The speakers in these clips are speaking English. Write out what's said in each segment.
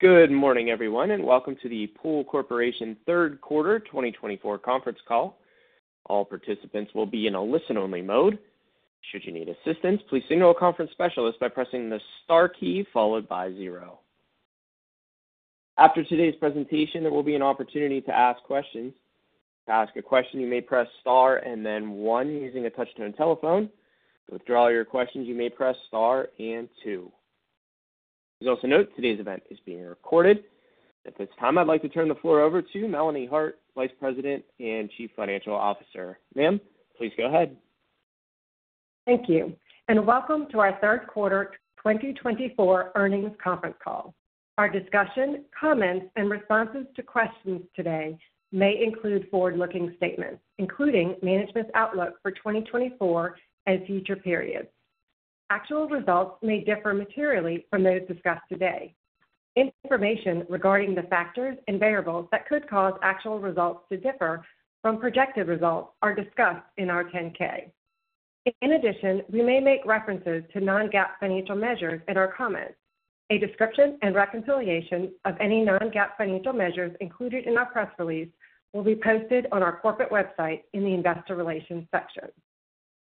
Good morning, everyone, and welcome to the Pool Corp Third Quarter 2024 Conference Call. All participants will be in a listen-only mode. Should you need assistance, please signal a conference specialist by pressing the star key, followed by zero. After today's presentation, there will be an opportunity to ask questions. To ask a question, you may press star and then one using a touch-tone telephone. To withdraw your questions, you may press star and two. Please also note, today's event is being recorded. At this time, I'd like to turn the floor over to Melanie Hart, Vice President and Chief Financial Officer. Ma'am, please go ahead. Thank you, and welcome to our third quarter 2024 earnings conference call. Our discussion, comments and responses to questions today may include forward-looking statements, including management's outlook for 2024 and future periods. Actual results may differ materially from those discussed today. Information regarding the factors and variables that could cause actual results to differ from projected results are discussed in our 10-K. In addition, we may make references to non-GAAP financial measures in our comments. A description and reconciliation of any non-GAAP financial measures included in our press release will be posted on our corporate website in the Investor Relations section.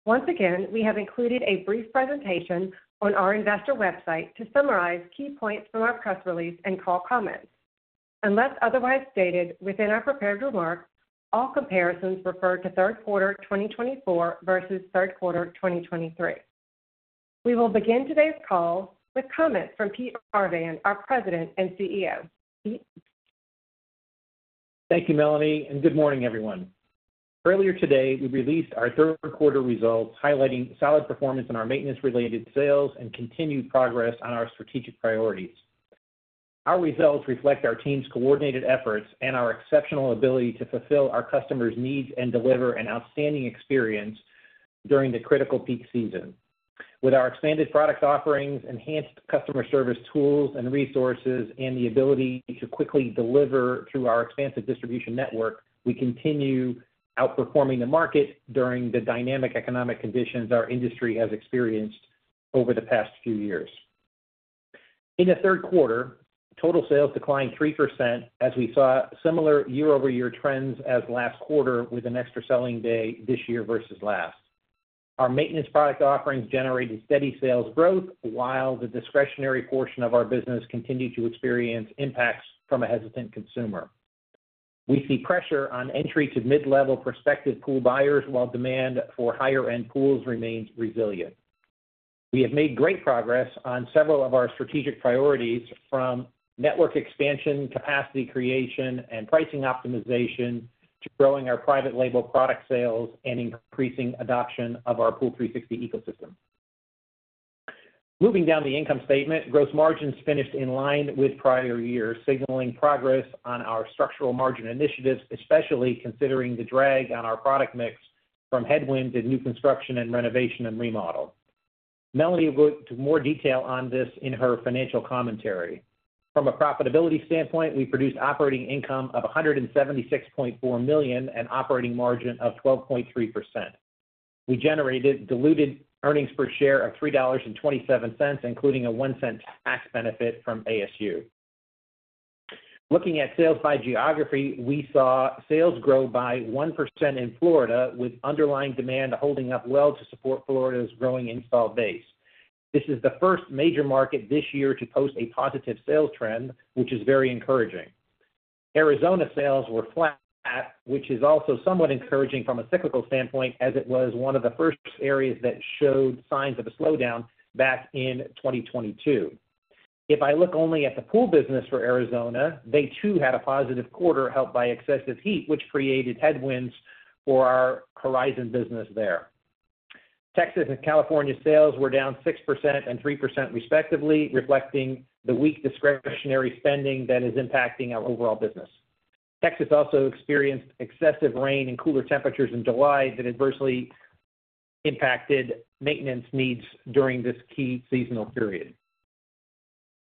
Once again, we have included a brief presentation on our investor website to summarize key points from our press release and call comments. Unless otherwise stated within our prepared remarks, all comparisons refer to third quarter 2024 versus third quarter 2023. We will begin today's call with comments from Pete Arvan, our President and CEO. Pete? Thank you, Melanie, and good morning, everyone. Earlier today, we released our third quarter results, highlighting solid performance in our maintenance-related sales and continued progress on our strategic priorities. Our results reflect our team's coordinated efforts and our exceptional ability to fulfill our customers' needs and deliver an outstanding experience during the critical peak season. With our expanded product offerings, enhanced customer service tools and resources, and the ability to quickly deliver through our expansive distribution network, we continue outperforming the market during the dynamic economic conditions our industry has experienced over the past few years. In the third quarter, total sales declined 3% as we saw similar year-over-year trends as last quarter, with an extra selling day this year versus last. Our maintenance product offerings generated steady sales growth, while the discretionary portion of our business continued to experience impacts from a hesitant consumer. We see pressure on entry to mid-level prospective pool buyers, while demand for higher-end pools remains resilient. We have made great progress on several of our strategic priorities, from network expansion, capacity creation and pricing optimization, to growing our private label product sales and increasing adoption of our POOL360 ecosystem. Moving down the income statement, gross margins finished in line with prior years, signaling progress on our structural margin initiatives, especially considering the drag on our product mix from headwinds in new construction and renovation and remodel. Melanie will go into more detail on this in her financial commentary. From a profitability standpoint, we produced operating income of $176.4 million and operating margin of 12.3%. We generated diluted earnings per share of $3.27, including a $0.01 tax benefit from ASU. Looking at sales by geography, we saw sales grow by 1% in Florida, with underlying demand holding up well to support Florida's growing installed base. This is the first major market this year to post a positive sales trend, which is very encouraging. Arizona sales were flat, which is also somewhat encouraging from a cyclical standpoint, as it was one of the first areas that showed signs of a slowdown back in 2022. If I look only at the pool business for Arizona, they too had a positive quarter, helped by excessive heat, which created headwinds for our Horizon business there. Texas and California sales were down 6% and 3%, respectively, reflecting the weak discretionary spending that is impacting our overall business. Texas also experienced excessive rain and cooler temperatures in July that adversely impacted maintenance needs during this key seasonal period.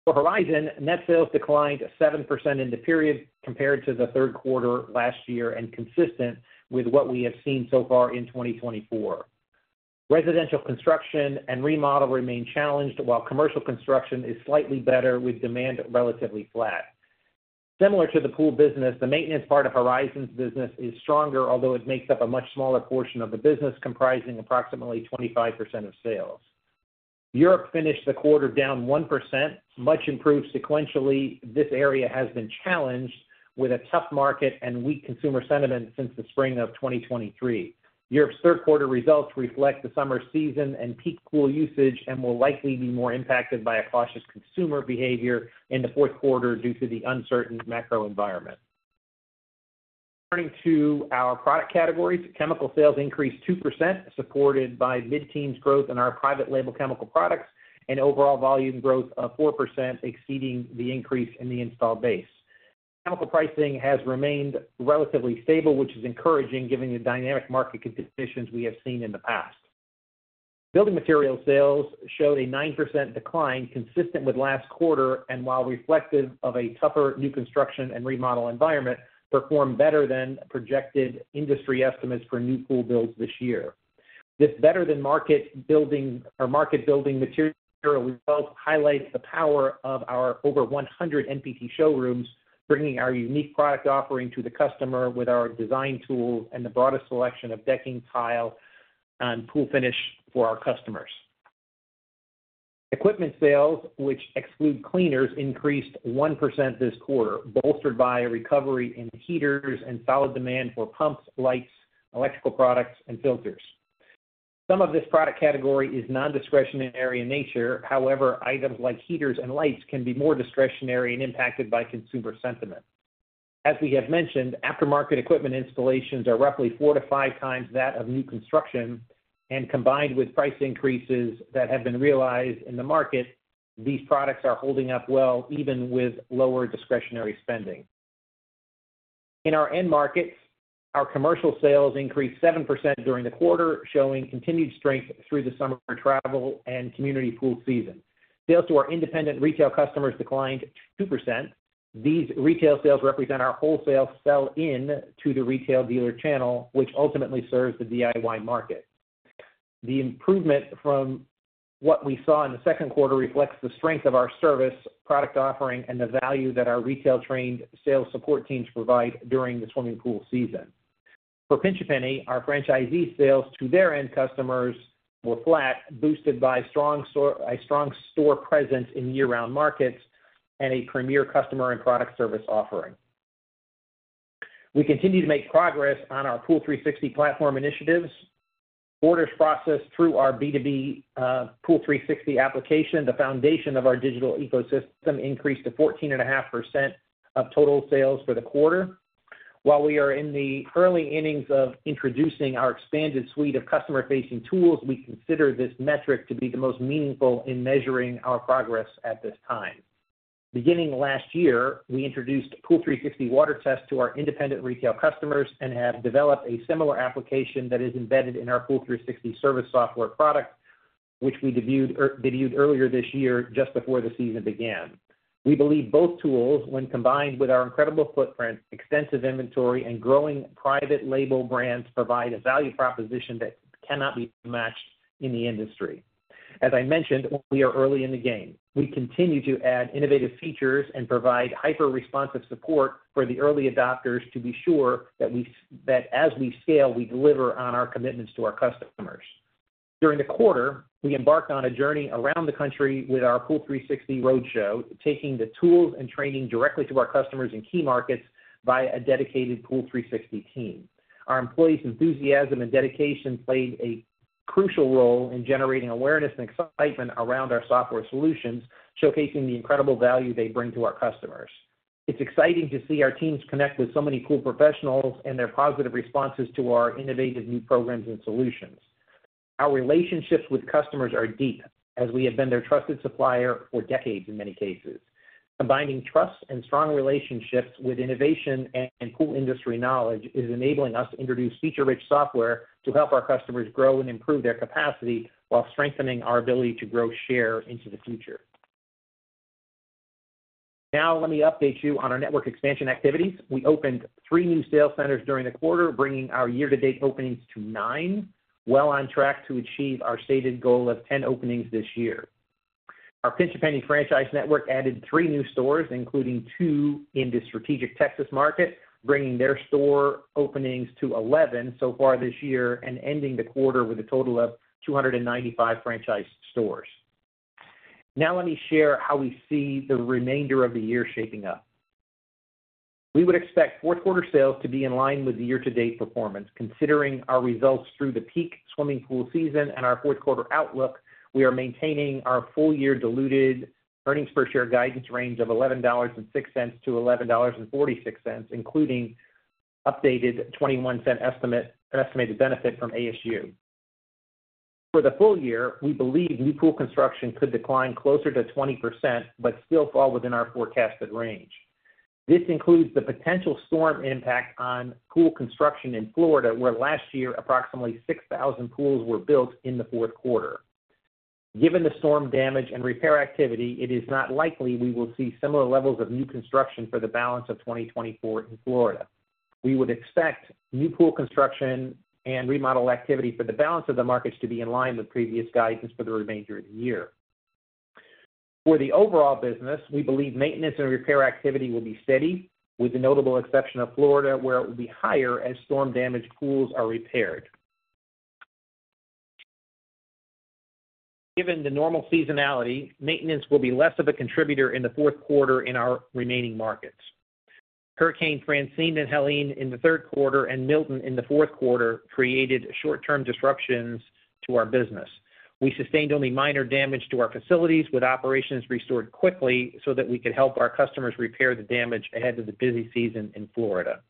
For Horizon, net sales declined 7% in the period compared to the third quarter last year, and consistent with what we have seen so far in 2024. Residential construction and remodel remain challenged, while commercial construction is slightly better, with demand relatively flat. Similar to the pool business, the maintenance part of Horizon's business is stronger, although it makes up a much smaller portion of the business, comprising approximately 25% of sales. Europe finished the quarter down 1%, much improved sequentially. This area has been challenged with a tough market and weak consumer sentiment since the spring of 2023. Europe's third quarter results reflect the summer season and peak pool usage and will likely be more impacted by a cautious consumer behavior in the fourth quarter due to the uncertain macro environment. Turning to our product categories, chemical sales increased 2%, supported by mid-teens growth in our private label chemical products and overall volume growth of 4%, exceeding the increase in the installed base. Chemical pricing has remained relatively stable, which is encouraging given the dynamic market conditions we have seen in the past. Building materials sales showed a 9% decline consistent with last quarter, and while reflective of a tougher new construction and remodel environment, performed better than projected industry estimates for new pool builds this year. This better than market building or market building material results highlight the power of our over 100 NPT showrooms, bringing our unique product offering to the customer with our design tool and the broadest selection of decking, tile, and pool finish for our customers. Equipment sales, which exclude cleaners, increased 1% this quarter, bolstered by a recovery in heaters and solid demand for pumps, lights, electrical products, and filters. Some of this product category is nondiscretionary in nature. However, items like heaters and lights can be more discretionary and impacted by consumer sentiment. As we have mentioned, aftermarket equipment installations are roughly four to five times that of new construction, and combined with price increases that have been realized in the market, these products are holding up well, even with lower discretionary spending. In our end markets, our commercial sales increased 7% during the quarter, showing continued strength through the summer travel and community pool season. Sales to our independent retail customers declined 2%. These retail sales represent our wholesale sell-in to the retail dealer channel, which ultimately serves the DIY market. The improvement from what we saw in the second quarter reflects the strength of our service, product offering, and the value that our retail-trained sales support teams provide during the swimming pool season. For Pinch A Penny, our franchisee sales to their end customers were flat, boosted by a strong store presence in year-round markets and a premier customer and product service offering. We continue to make progress on our POOL360 platform initiatives. Orders processed through our B2B POOL360 application, the foundation of our digital ecosystem, increased to 14.5% of total sales for the quarter. While we are in the early innings of introducing our expanded suite of customer-facing tools, we consider this metric to be the most meaningful in measuring our progress at this time. Beginning last year, we introduced POOL360 WaterTest to our independent retail customers and have developed a similar application that is embedded in our POOL360 service software product, which we debuted earlier this year, just before the season began. We believe both tools, when combined with our incredible footprint, extensive inventory, and growing private label brands, provide a value proposition that cannot be matched in the industry. As I mentioned, we are early in the game. We continue to add innovative features and provide hyper-responsive support for the early adopters to be sure that as we scale, we deliver on our commitments to our customers. During the quarter, we embarked on a journey around the country with our POOL360 Roadshow, taking the tools and training directly to our customers in key markets by a dedicated POOL360 team. Our employees' enthusiasm and dedication played a crucial role in generating awareness and excitement around our software solutions, showcasing the incredible value they bring to our customers. It's exciting to see our teams connect with so many pool professionals and their positive responses to our innovative new programs and solutions. Our relationships with customers are deep, as we have been their trusted supplier for decades in many cases. Combining trust and strong relationships with innovation and pool industry knowledge is enabling us to introduce feature-rich software to help our customers grow and improve their capacity while strengthening our ability to grow share into the future. Now, let me update you on our network expansion activities. We opened three new sales centers during the quarter, bringing our year-to-date openings to nine, well on track to achieve our stated goal of ten openings this year. Our Pinch A Penny franchise network added three new stores, including two in the strategic Texas market, bringing their store openings to eleven so far this year and ending the quarter with a total of 295 franchised stores. Now, let me share how we see the remainder of the year shaping up. We would expect fourth quarter sales to be in line with the year-to-date performance. Considering our results through the peak swimming pool season and our fourth quarter outlook, we are maintaining our full-year diluted earnings per share guidance range of $11.06-$11.46, including updated $0.21 estimated benefit from ASU. For the full year, we believe new pool construction could decline closer to 20%, but still fall within our forecasted range. This includes the potential storm impact on pool construction in Florida, where last year, approximately 6,000 pools were built in the fourth quarter. Given the storm damage and repair activity, it is not likely we will see similar levels of new construction for the balance of 2024 in Florida. We would expect new pool construction and remodel activity for the balance of the markets to be in line with previous guidance for the remainder of the year. For the overall business, we believe maintenance and repair activity will be steady, with the notable exception of Florida, where it will be higher as storm-damaged pools are repaired. Given the normal seasonality, maintenance will be less of a contributor in the fourth quarter in our remaining markets. Hurricane Francine and Helene in the third quarter and Milton in the fourth quarter created short-term disruptions to our business. We sustained only minor damage to our facilities, with operations restored quickly so that we could help our customers repair the damage ahead of the busy season in Florida.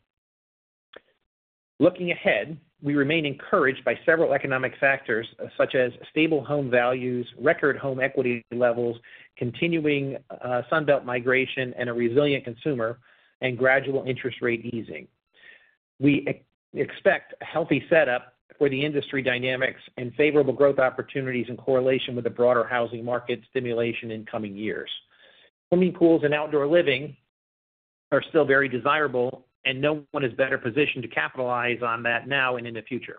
Looking ahead, we remain encouraged by several economic factors, such as stable home values, record home equity levels, continuing Sun Belt migration, and a resilient consumer, and gradual interest rate easing. We expect a healthy setup for the industry dynamics and favorable growth opportunities in correlation with the broader housing market stimulation in coming years. Swimming pools and outdoor living... are still very desirable, and no one is better positioned to capitalize on that now and in the future.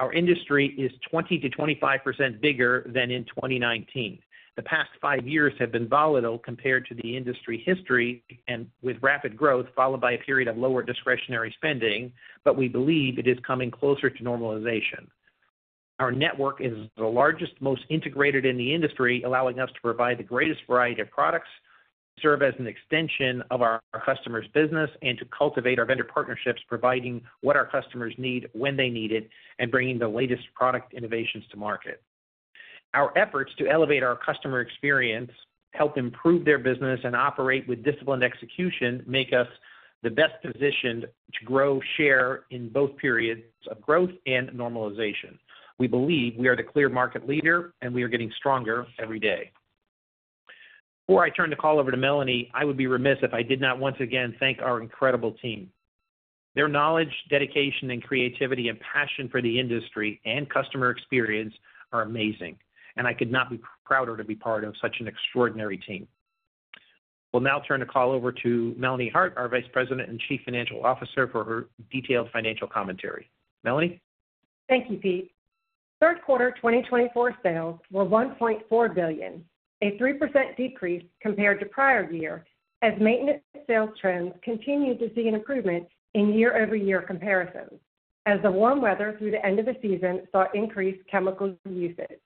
Our industry is 20%-25% bigger than in 2019. The past five years have been volatile compared to the industry history and with rapid growth, followed by a period of lower discretionary spending, but we believe it is coming closer to normalization. Our network is the largest, most integrated in the industry, allowing us to provide the greatest variety of products, serve as an extension of our customers' business, and to cultivate our vendor partnerships, providing what our customers need, when they need it, and bringing the latest product innovations to market. Our efforts to elevate our customer experience, help improve their business, and operate with disciplined execution, make us the best positioned to grow share in both periods of growth and normalization. We believe we are the clear market leader, and we are getting stronger every day. Before I turn the call over to Melanie, I would be remiss if I did not once again thank our incredible team. Their knowledge, dedication, and creativity and passion for the industry and customer experience are amazing, and I could not be prouder to be part of such an extraordinary team. We'll now turn the call over to Melanie Hart, our Vice President and Chief Financial Officer, for her detailed financial commentary. Melanie? Thank you, Pete. Third quarter 2024 sales were $1.4 billion, a 3% decrease compared to prior year, as maintenance sales trends continued to see an improvement in year-over-year comparisons, as the warm weather through the end of the season saw increased chemical usage.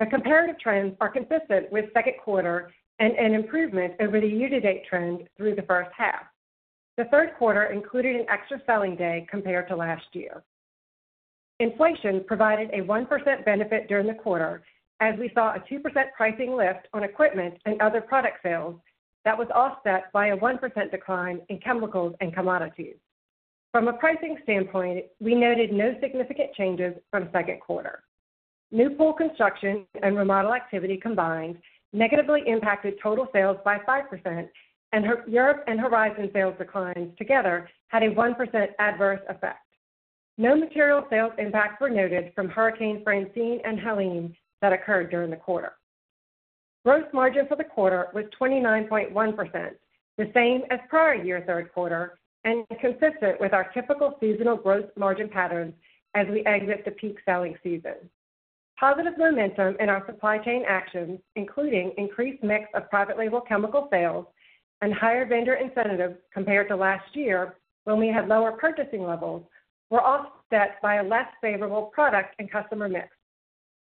The comparative trends are consistent with second quarter and an improvement over the year-to-date trend through the first half. The third quarter included an extra selling day compared to last year. Inflation provided a 1% benefit during the quarter, as we saw a 2% pricing lift on equipment and other product sales that was offset by a 1% decline in chemicals and commodities. From a pricing standpoint, we noted no significant changes from second quarter. New pool construction and remodel activity combined negatively impacted total sales by 5%, and Europe and Horizon sales declines together had a 1% adverse effect. No material sales impacts were noted from hurricanes Francine and Helene that occurred during the quarter. Gross margin for the quarter was 29.1%, the same as prior year, third quarter, and consistent with our typical seasonal gross margin patterns as we exit the peak selling season. Positive momentum in our supply chain actions, including increased mix of private label chemical sales and higher vendor incentives compared to last year, when we had lower purchasing levels, were offset by a less favorable product and customer mix.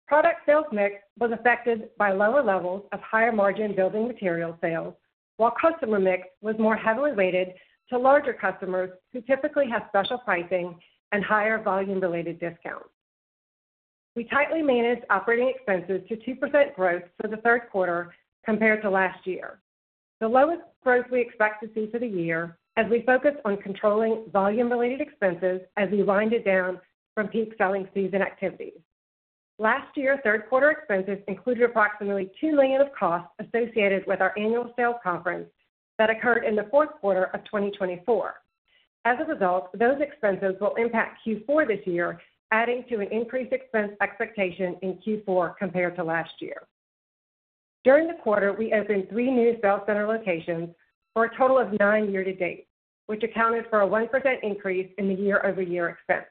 Product sales mix was affected by lower levels of higher-margin building material sales, while customer mix was more heavily weighted to larger customers who typically have special pricing and higher volume-related discounts. We tightly managed operating expenses to 2% growth for the third quarter compared to last year. The lowest growth we expect to see for the year, as we focus on controlling volume-related expenses as we wind it down from peak selling season activities. Last year, third quarter expenses included approximately $2 million of costs associated with our annual sales conference that occurred in the fourth quarter of 2024. As a result, those expenses will impact Q4 this year, adding to an increased expense expectation in Q4 compared to last year. During the quarter, we opened three new sales center locations for a total of nine year-to-date, which accounted for a 1% increase in the year-over-year expense.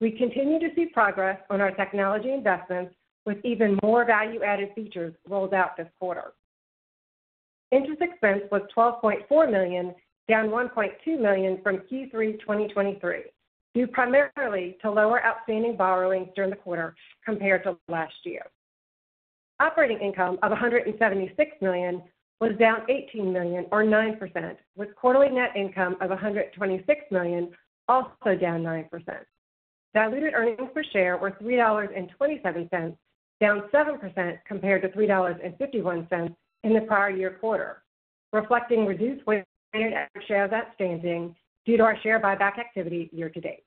We continue to see progress on our technology investments, with even more value-added features rolled out this quarter. Interest expense was $12.4 million, down $1.2 million from Q3 2023, due primarily to lower outstanding borrowings during the quarter compared to last year. Operating income of $176 million was down $18 million, or 9%, with quarterly net income of $126 million, also down 9%. Diluted earnings per share were $3.27, down 7% compared to $3.51 in the prior year quarter, reflecting reduced weighted average shares outstanding due to our share buyback activity year-to-date.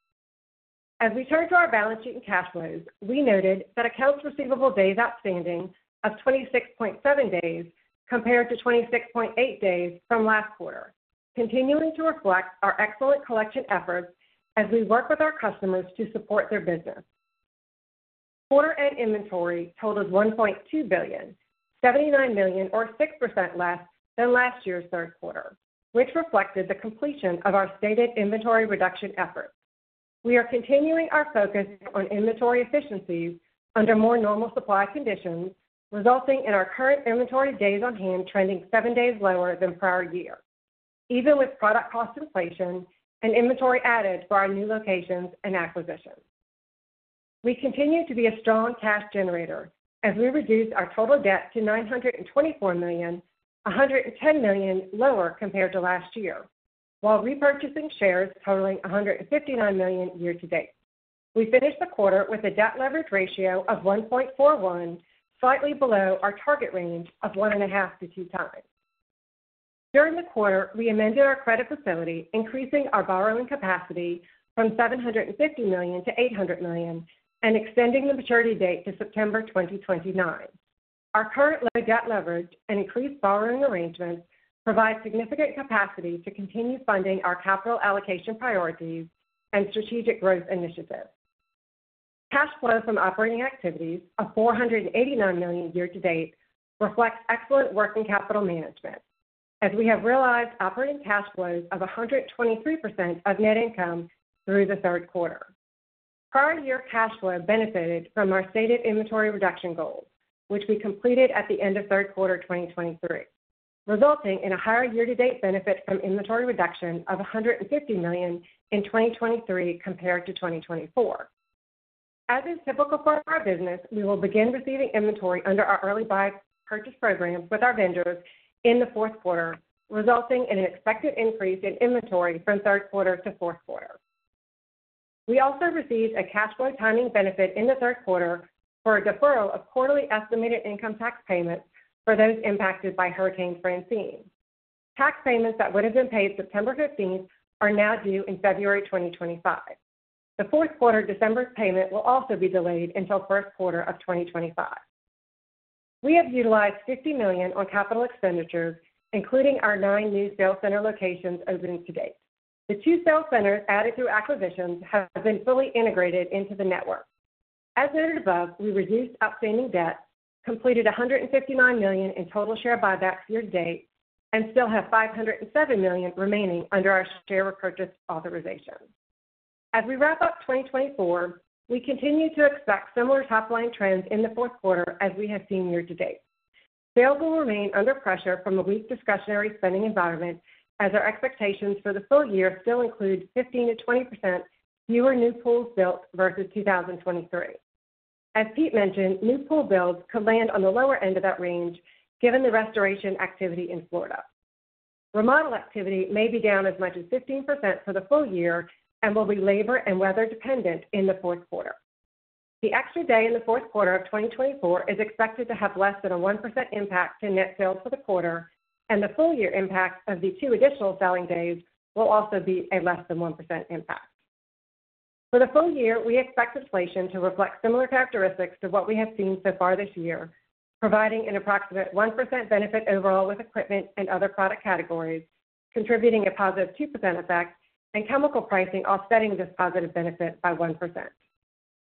As we turn to our balance sheet and cash flows, we noted that accounts receivable days outstanding of 26.7 days compared to 26.8 days from last quarter, continuing to reflect our excellent collection efforts as we work with our customers to support their business. Quarter-end inventory totaled $1.2 billion, down $79 million, 6% less than last year's third quarter, which reflected the completion of our stated inventory reduction efforts. We are continuing our focus on inventory efficiencies under more normal supply conditions, resulting in our current inventory days on hand trending 7 days lower than prior year, even with product cost inflation and inventory added for our new locations and acquisitions. We continue to be a strong cash generator as we reduce our total debt to $924 million, $110 million lower compared to last year, while repurchasing shares totaling $159 million year-to-date. We finished the quarter with a debt leverage ratio of 1.41, slightly below our target range of 1.5x to 2x. During the quarter, we amended our credit facility, increasing our borrowing capacity from $750 million to $800 million, and extending the maturity date to September 2029. Our current low debt leverage and increased borrowing arrangements provide significant capacity to continue funding our capital allocation priorities and strategic growth initiatives. Cash flow from operating activities of $489 million year-to-date reflects excellent working capital management, as we have realized operating cash flows of 123% of net income through the third quarter. Prior year cash flow benefited from our stated inventory reduction goals, which we completed at the end of third quarter 2023, resulting in a higher year-to-date benefit from inventory reduction of $150 million in 2023 compared to 2024. As is typical for our business, we will begin receiving inventory under our early buy purchase programs with our vendors in the fourth quarter, resulting in an expected increase in inventory from third quarter to fourth quarter. We also received a cash flow timing benefit in the third quarter for a deferral of quarterly estimated income tax payments for those impacted by Hurricane Francine. Tax payments that would have been paid September 15th are now due in February 2025. The fourth quarter December payment will also be delayed until first quarter of 2025. We have utilized $50 million on capital expenditures, including our nine new sales center locations opening to date. The two sales centers added through acquisitions have been fully integrated into the network. As noted above, we reduced outstanding debt, completed $159 million in total share buybacks year-to-date, and still have $507 million remaining under our share repurchase authorization. As we wrap up 2024, we continue to expect similar top line trends in the fourth quarter as we have seen year-to-date. Sales will remain under pressure from a weak discretionary spending environment, as our expectations for the full year still include 15%-20% fewer new pools built versus 2023. As Pete mentioned, new pool builds could land on the lower end of that range, given the restoration activity in Florida. Remodel activity may be down as much as 15% for the full year and will be labor and weather dependent in the fourth quarter. The extra day in the fourth quarter of 2024 is expected to have less than a 1% impact to net sales for the quarter, and the full year impact of the two additional selling days will also be a less than 1% impact. For the full year, we expect inflation to reflect similar characteristics to what we have seen so far this year, providing an approximate 1% benefit overall with equipment and other product categories, contributing a positive 2% effect, and chemical pricing offsetting this positive benefit by 1%.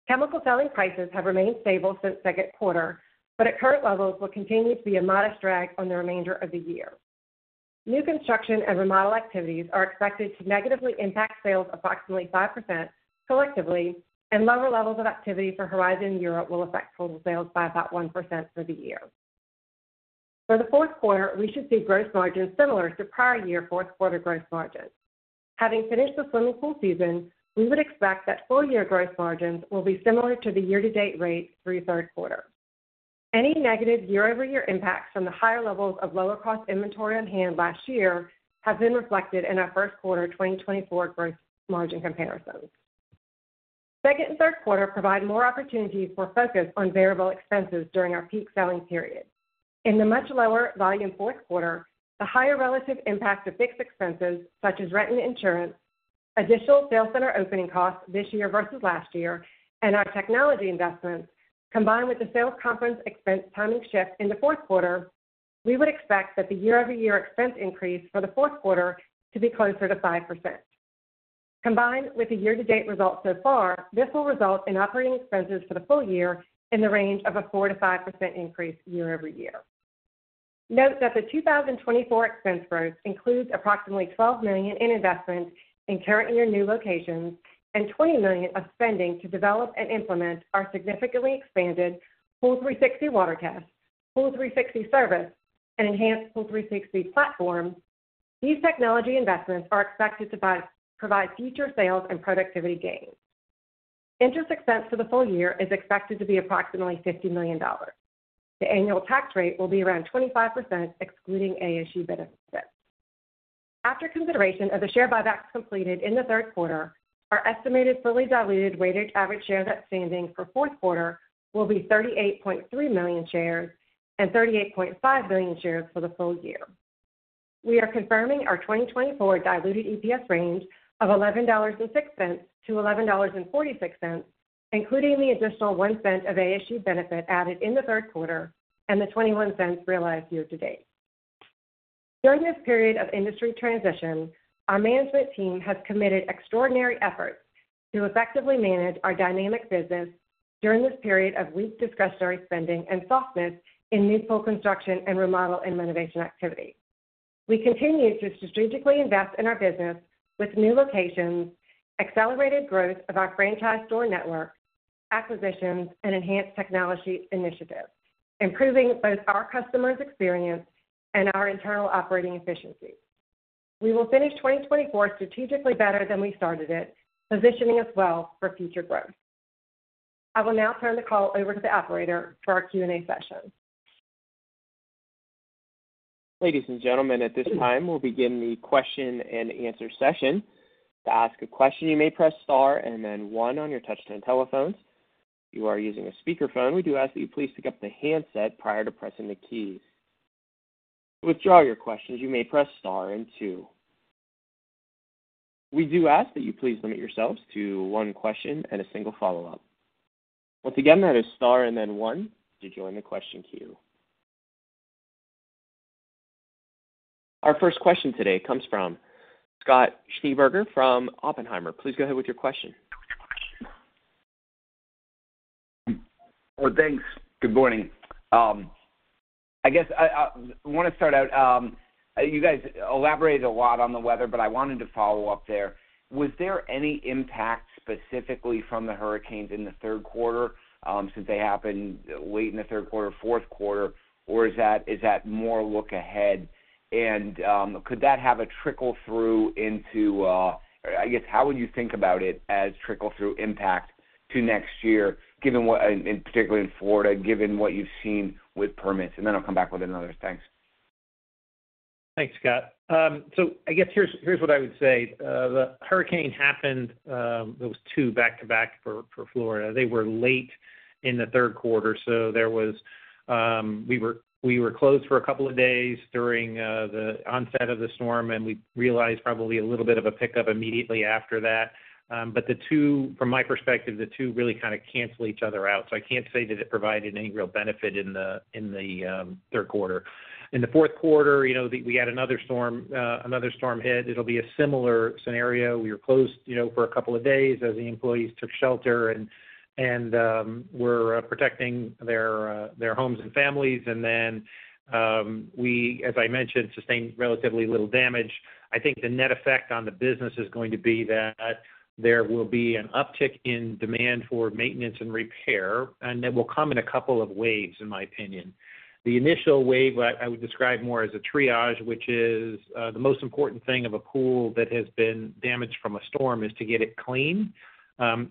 Chemical selling prices have remained stable since second quarter, but at current levels will continue to be a modest drag on the remainder of the year. New construction and remodel activities are expected to negatively impact sales approximately 5% collectively, and lower levels of activity for Horizon and Europe will affect total sales by about 1% for the year. For the fourth quarter, we should see gross margins similar to prior year fourth quarter gross margins. Having finished the swimming pool season, we would expect that full year gross margins will be similar to the year-to-date rate through third quarter. Any negative year-over-year impacts from the higher levels of lower cost inventory on hand last year have been reflected in our first quarter 2024 gross margin comparisons. Second and third quarter provide more opportunities for focus on variable expenses during our peak selling period. In the much lower volume fourth quarter, the higher relative impact of fixed expenses, such as rent and insurance, additional sales center opening costs this year versus last year, and our technology investments, combined with the sales conference expense timing shift in the fourth quarter, we would expect that the year-over-year expense increase for the fourth quarter to be closer to 5%. Combined with the year-to-date results so far, this will result in operating expenses for the full year in the range of a 4%-5% increase year-over-year. Note that the 2024 expense growth includes approximately $12 million in investments in current year new locations and $20 million of spending to develop and implement our significantly expanded POOL360 WaterTest, POOL360 Service and enhanced POOL360 platform. These technology investments are expected to provide future sales and productivity gains. Interest expense for the full year is expected to be approximately $50 million. The annual tax rate will be around 25%, excluding ASU benefits. After consideration of the share buybacks completed in the third quarter, our estimated fully diluted weighted average shares outstanding for fourth quarter will be 38.3 million shares and 38.5 million shares for the full year. We are confirming our 2024 diluted EPS range of $11.06-$11.46, including the additional $0.01 of ASU benefit added in the third quarter and the $0.21 realized year-to-date. During this period of industry transition, our management team has committed extraordinary efforts to effectively manage our dynamic business during this period of weak discretionary spending and softness in new pool construction and remodel and renovation activity. We continue to strategically invest in our business with new locations, accelerated growth of our franchise store network, acquisitions and enhanced technology initiatives, improving both our customers' experience and our internal operating efficiency. We will finish 2024 strategically better than we started it, positioning us well for future growth. I will now turn the call over to the operator for our Q&A session. Ladies and gentlemen, at this time, we'll begin the question and answer session. To ask a question, you may press star and then one on your touch-tone telephones. If you are using a speakerphone, we do ask that you please pick up the handset prior to pressing the keys. To withdraw your questions, you may press star and two. We do ask that you please limit yourselves to one question and a single follow-up. Once again, that is star and then one to join the question queue.... Our first question today comes from Scott Schneeberger from Oppenheimer. Please go ahead with your question. Thanks. Good morning. I guess I wanna start out, you guys elaborated a lot on the weather, but I wanted to follow-up there. Was there any impact specifically from the hurricanes in the third quarter, since they happened late in the third quarter, fourth quarter, or is that more look ahead? And could that have a trickle-through into, I guess, how would you think about it as trickle-through impact to next year, given what and particularly in Florida, given what you've seen with permits? And then I'll come back with another. Thanks. Thanks, Scott. So I guess here's what I would say. The hurricane happened. There was two back-to-back for Florida. They were late in the third quarter, so there was we were closed for a couple of days during the onset of the storm, and we realized probably a little bit of a pickup immediately after that. But the two, from my perspective, really kind of cancel each other out, so I can't say that it provided any real benefit in the third quarter. In the fourth quarter, you know, we had another storm hit. It'll be a similar scenario. We were closed, you know, for a couple of days as the employees took shelter and were protecting their homes and families. And then, we, as I mentioned, sustained relatively little damage. I think the net effect on the business is going to be that there will be an uptick in demand for maintenance and repair, and that will come in a couple of waves, in my opinion. The initial wave, I would describe more as a triage, which is, the most important thing of a pool that has been damaged from a storm is to get it clean,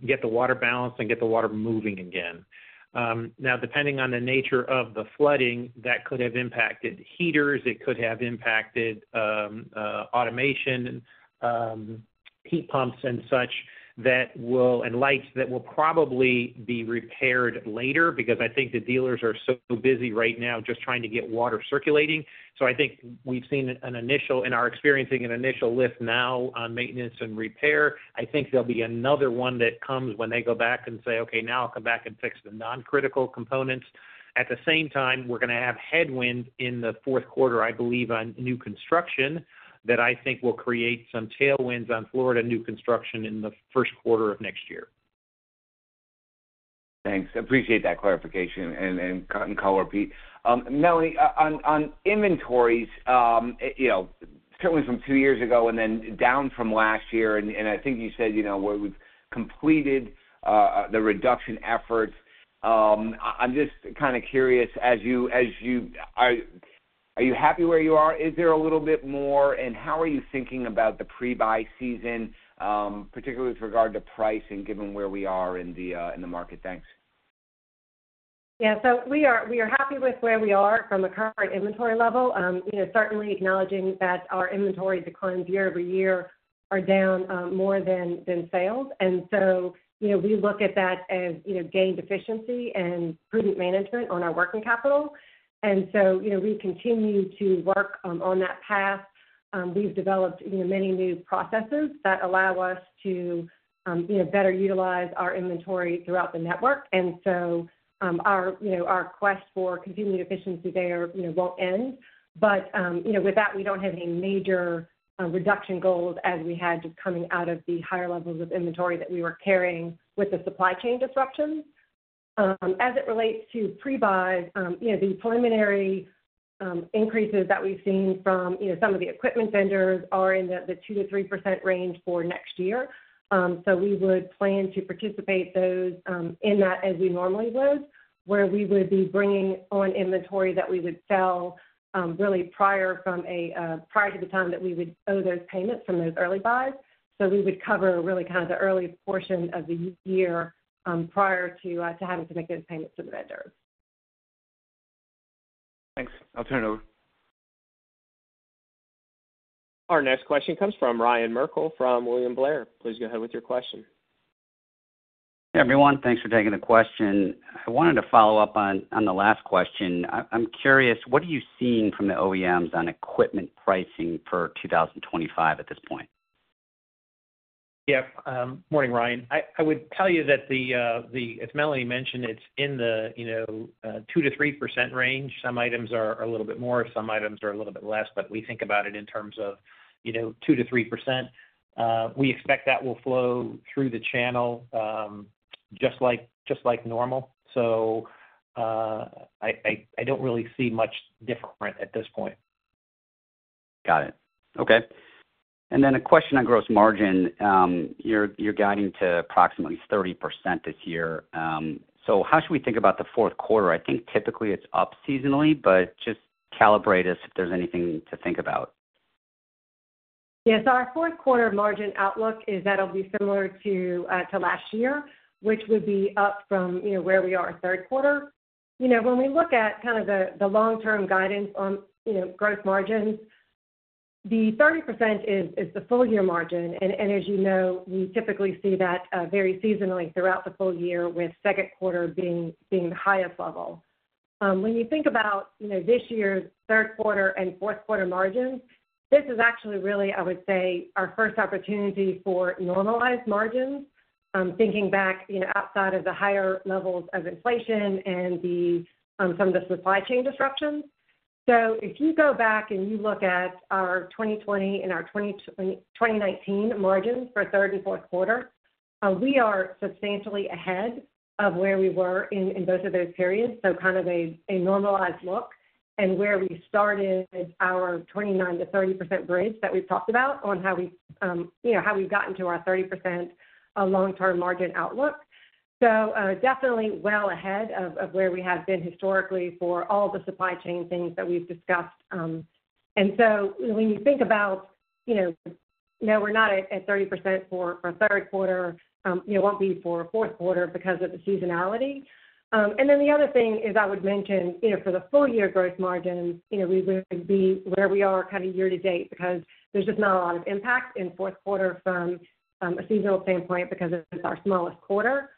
get the water balanced, and get the water moving again. Now, depending on the nature of the flooding, that could have impacted heaters, it could have impacted, automation, heat pumps and such, and lights, that will probably be repaired later because I think the dealers are so busy right now just trying to get water circulating. So I think we've seen an initial and are experiencing an initial lift now on maintenance and repair. I think there'll be another one that comes when they go back and say, "Okay, now I'll come back and fix the non-critical components." At the same time, we're gonna have headwind in the fourth quarter, I believe, on new construction, that I think will create some tailwinds on Florida new construction in the first quarter of next year. Thanks. Appreciate that clarification [and thanks for the color], Pete. Melanie, on inventories, you know, certainly from two years ago and then down from last year, and I think you said, you know, where we've completed the reduction efforts. I'm just kind of curious, as you are, are you happy where you are? Is there a little bit more, and how are you thinking about the pre-buy season, particularly with regard to pricing, given where we are in the market? Thanks. Yeah. So we are happy with where we are from a current inventory level. You know, certainly acknowledging that our inventory declines year-over-year are down more than sales. And so, you know, we look at that as you know, gained efficiency and prudent management on our working capital. And so, you know, we continue to work on that path. We've developed, you know, many new processes that allow us to you know, better utilize our inventory throughout the network. And so, our you know, our quest for continued efficiency there, you know, won't end. But you know, with that, we don't have any major reduction goals as we had just coming out of the higher levels of inventory that we were carrying with the supply chain disruptions. As it relates to pre-buy, you know, the preliminary increases that we've seen from, you know, some of the equipment vendors are in the 2%-3% range for next year. So we would plan to participate those in that as we normally would, where we would be bringing on inventory that we would sell, really prior to the time that we would owe those payments from those early buys. So we would cover really kind of the early portion of the year prior to having to make those payments to the vendors. Thanks. I'll turn it over. Our next question comes from Ryan Merkel, from William Blair. Please go ahead with your question. Hey, everyone. Thanks for taking the question. I wanted to follow-up on the last question. I'm curious, what are you seeing from the OEMs on equipment pricing for 2025 at this point? Yeah. Morning, Ryan. I would tell you that as Melanie mentioned, it's in the, you know, 2%-3% range. Some items are a little bit more, some items are a little bit less, but we think about it in terms of, you know, 2%-3%. We expect that will flow through the channel just like normal. I don't really see much different at this point. Got it. Okay. And then a question on gross margin. You're guiding to approximately 30% this year. So how should we think about the fourth quarter? I think typically it's up seasonally, but just calibrate us if there's anything to think about. Yes, our fourth quarter margin outlook is that it'll be similar to last year, which would be up from, you know, where we are in third quarter. You know, when we look at kind of the long-term guidance on, you know, growth margins, the 30% is the full year margin. And as you know, we typically see that very seasonally throughout the full year, with second quarter being the highest level. When you think about, you know, this year's third quarter and fourth quarter margins, this is actually really, I would say, our first opportunity for normalized margins. Thinking back, you know, outside of the higher levels of inflation and some of the supply chain disruptions. So if you go back and you look at our 2020 and our 2019 margins for third and fourth quarter, we are substantially ahead of where we were in both of those periods. So kind of a normalized look and where we started our 29%-30% bridge that we've talked about on how we, you know, how we've gotten to our 30%, long-term margin outlook. So, definitely well ahead of where we have been historically for all the supply chain things that we've discussed. And so when you think about, you know, no, we're not at 30% for third quarter, it won't be for fourth quarter because of the seasonality. And then the other thing is, I would mention, you know, for the full year gross margin, you know, we would be where we are kind of year-to-date, because there's just not a lot of impact in fourth quarter from a seasonal standpoint because it's our smallest quarter.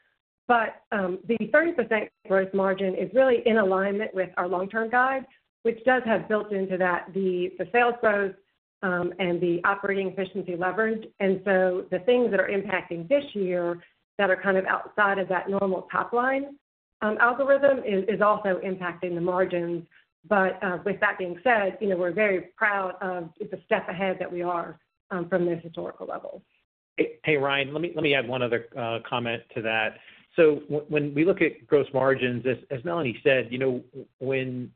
But the 30% gross margin is really in alignment with our long-term guide, which does have built into that the sales growth and the operating efficiency leverage. And so the things that are impacting this year that are kind of outside of that normal top line algorithm is also impacting the margins. But with that being said, you know, we're very proud of the step ahead that we are from this historical level. Hey, Ryan, let me add one other comment to that. So when we look at gross margins, as Melanie said, you know, when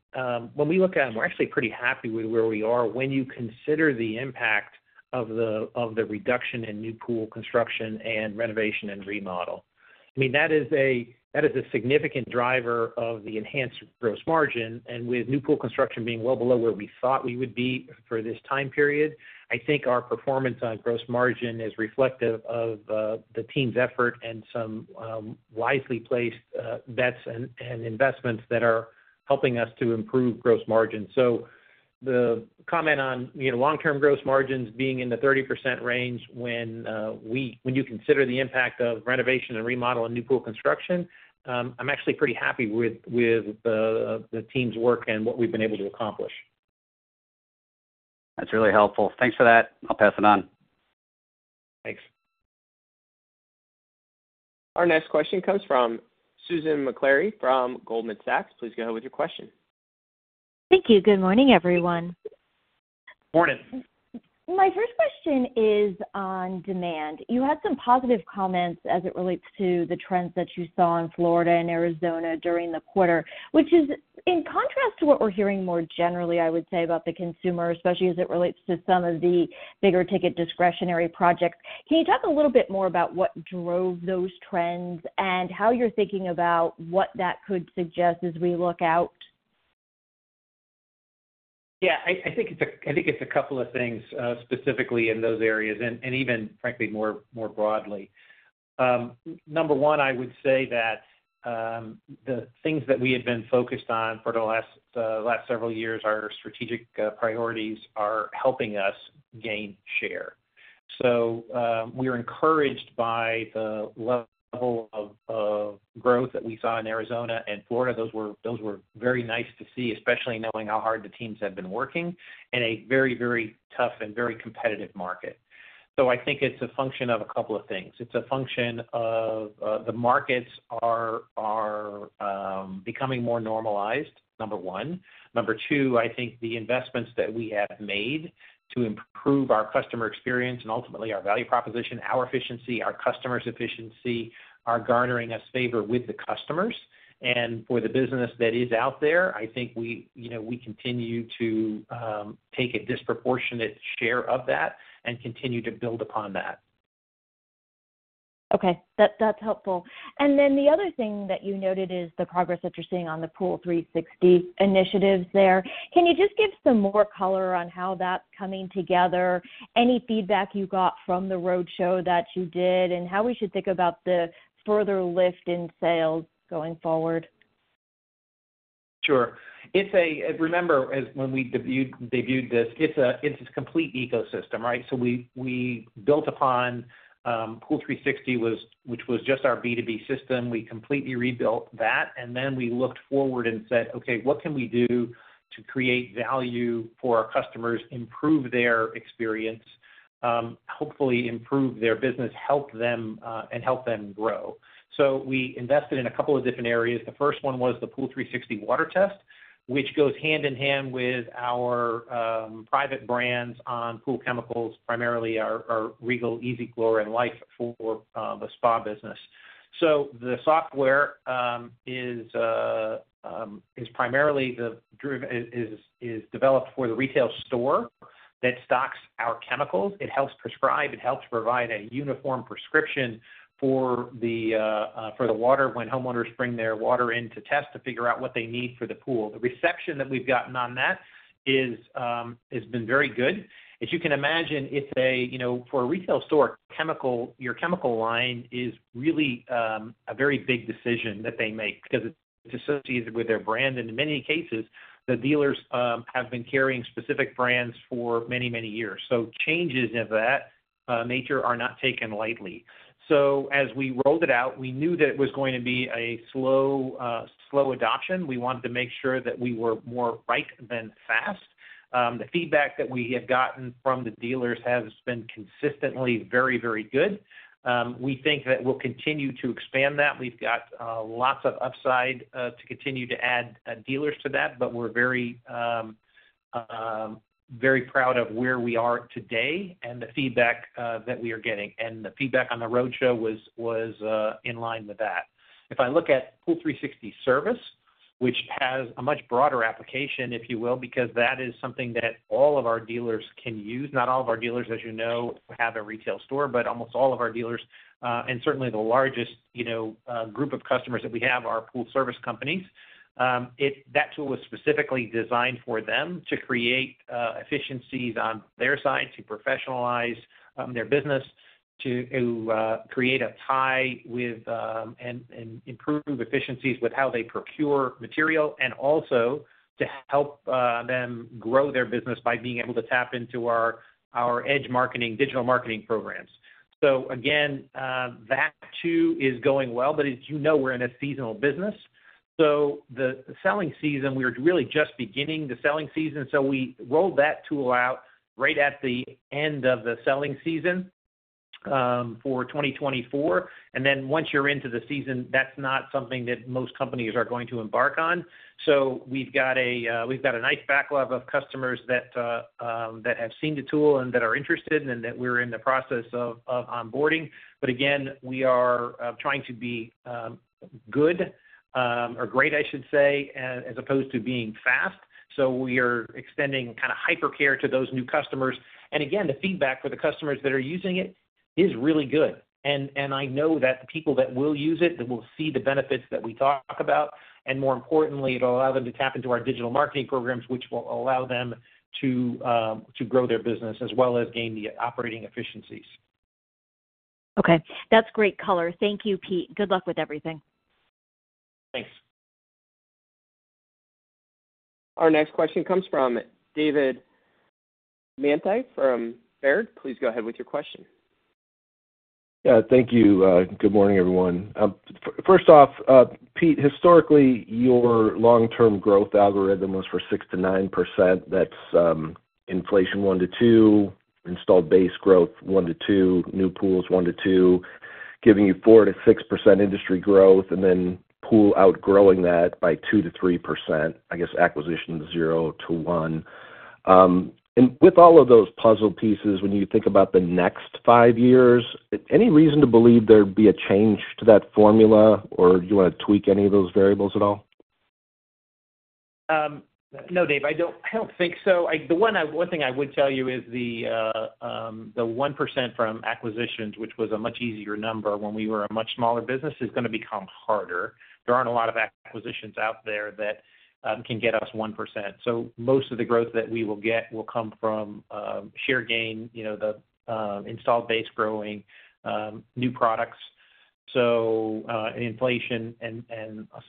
we look at them, we're actually pretty happy with where we are when you consider the impact of the reduction in new pool construction and renovation and remodel. I mean, that is a significant driver of the enhanced gross margin, and with new pool construction being well below where we thought we would be for this time period, I think our performance on gross margin is reflective of the team's effort and some wisely placed bets and investments that are helping us to improve gross margin. So the comment on, you know, long-term gross margins being in the 30% range when you consider the impact of renovation and remodel and new pool construction, I'm actually pretty happy with the team's work and what we've been able to accomplish. That's really helpful. Thanks for that. I'll pass it on. Thanks. Our next question comes from Susan Maklari from Goldman Sachs. Please go ahead with your question. Thank you. Good morning, everyone. Morning. My first question is on demand. You had some positive comments as it relates to the trends that you saw in Florida and Arizona during the quarter, which is in contrast to what we're hearing more generally, I would say, about the consumer, especially as it relates to some of the bigger ticket discretionary projects. Can you talk a little bit more about what drove those trends and how you're thinking about what that could suggest as we look out? Yeah, I think it's a couple of things, specifically in those areas and even frankly more broadly. Number one, I would say that the things that we had been focused on for the last several years, our strategic priorities, are helping us gain share. So, we're encouraged by the level of growth that we saw in Arizona and Florida. Those were very nice to see, especially knowing how hard the teams have been working in a very tough and very competitive market. So I think it's a function of a couple of things. It's a function of the markets are becoming more normalized, number one. Number two, I think the investments that we have made to improve our customer experience and ultimately our value proposition, our efficiency, our customers' efficiency, are garnering us favor with the customers, and for the business that is out there, I think we, you know, we continue to take a disproportionate share of that and continue to build upon that. Okay. That, that's helpful. And then the other thing that you noted is the progress that you're seeing on the POOL360 initiatives there. Can you just give some more color on how that's coming together? Any feedback you got from the roadshow that you did, and how we should think about the further lift in sales going forward? Sure. It's a-- Remember, as when we debuted this, it's a complete ecosystem, right? So we built upon POOL360, which was just our B2B system. We completely rebuilt that, and then we looked forward and said, "Okay, what can we do to create value for our customers, improve their experience, hopefully improve their business, help them, and help them grow?" So we invested in a couple of different areas. The first one was the POOL360 WaterTest, which goes hand in hand with our private brands on pool chemicals, primarily our Regal, E-Z Clor and Life for the spa business. So the software is primarily developed for the retail store that stocks our chemicals. It helps prescribe, it helps provide a uniform prescription for the water when homeowners bring their water in to test, to figure out what they need for the pool. The reception that we've gotten on that is, has been very good. As you can imagine, it's a, you know, for a retail store, chemical, your chemical line is really, a very big decision that they make because it's associated with their brand. And in many cases, the dealers, have been carrying specific brands for many, many years. So changes of that, nature are not taken lightly. So as we rolled it out, we knew that it was going to be a slow adoption. We wanted to make sure that we were more right than fast. The feedback that we have gotten from the dealers has been consistently very, very good. We think that we'll continue to expand that. We've got lots of upside to continue to add dealers to that, but we're very very proud of where we are today and the feedback that we are getting. And the feedback on the roadshow was in line with that. If I look at POOL360 Service, which has a much broader application, if you will, because that is something that all of our dealers can use. Not all of our dealers, as you know, have a retail store, but almost all of our dealers and certainly the largest, you know, group of customers that we have are pool service companies. That tool was specifically designed for them to create efficiencies on their side, to professionalize their business, to create a tie with and improve efficiencies with how they procure material, and also to help them grow their business by being able to tap into our edge marketing, digital marketing programs. So again, that too is going well, but as you know, we're in a seasonal business. So the selling season, we're really just beginning the selling season, so we rolled that tool out right at the end of the selling season for 2024, and then once you're into the season, that's not something that most companies are going to embark on. So we've got a nice backlog of customers that have seen the tool and that are interested, and that we're in the process of onboarding. But again, we are trying to be good, or great, I should say, as opposed to being fast. So we are extending kind of hypercare to those new customers. And again, the feedback for the customers that are using it is really good. And I know that the people that will use it, that will see the benefits that we talk about, and more importantly, it'll allow them to tap into our digital marketing programs, which will allow them to grow their business as well as gain the operating efficiencies. Okay. That's great color. Thank you, Pete. Good luck with everything. Thanks. Our next question comes from David Manthey from Baird. Please go ahead with your question. Yeah, thank you. Good morning, everyone. First off, Pete, historically, your long-term growth algorithm was for 6%-9%. That's inflation 1%-2%, installed base growth 1%-2%, new pools 1%-2%, giving you 4%-6% industry growth, and then pool outgrowing that by 2%-3%, I guess acquisition 0%-1%. And with all of those puzzle pieces, when you think about the next five years, any reason to believe there'd be a change to that formula, or do you want to tweak any of those variables at all? No, Dave, I don't, I don't think so. The one thing I would tell you is the 1% from acquisitions, which was a much easier number when we were a much smaller business, is gonna become harder. There aren't a lot of acquisitions out there that can get us 1%. So most of the growth that we will get will come from share gain, you know, the installed base growing, new products, so inflation and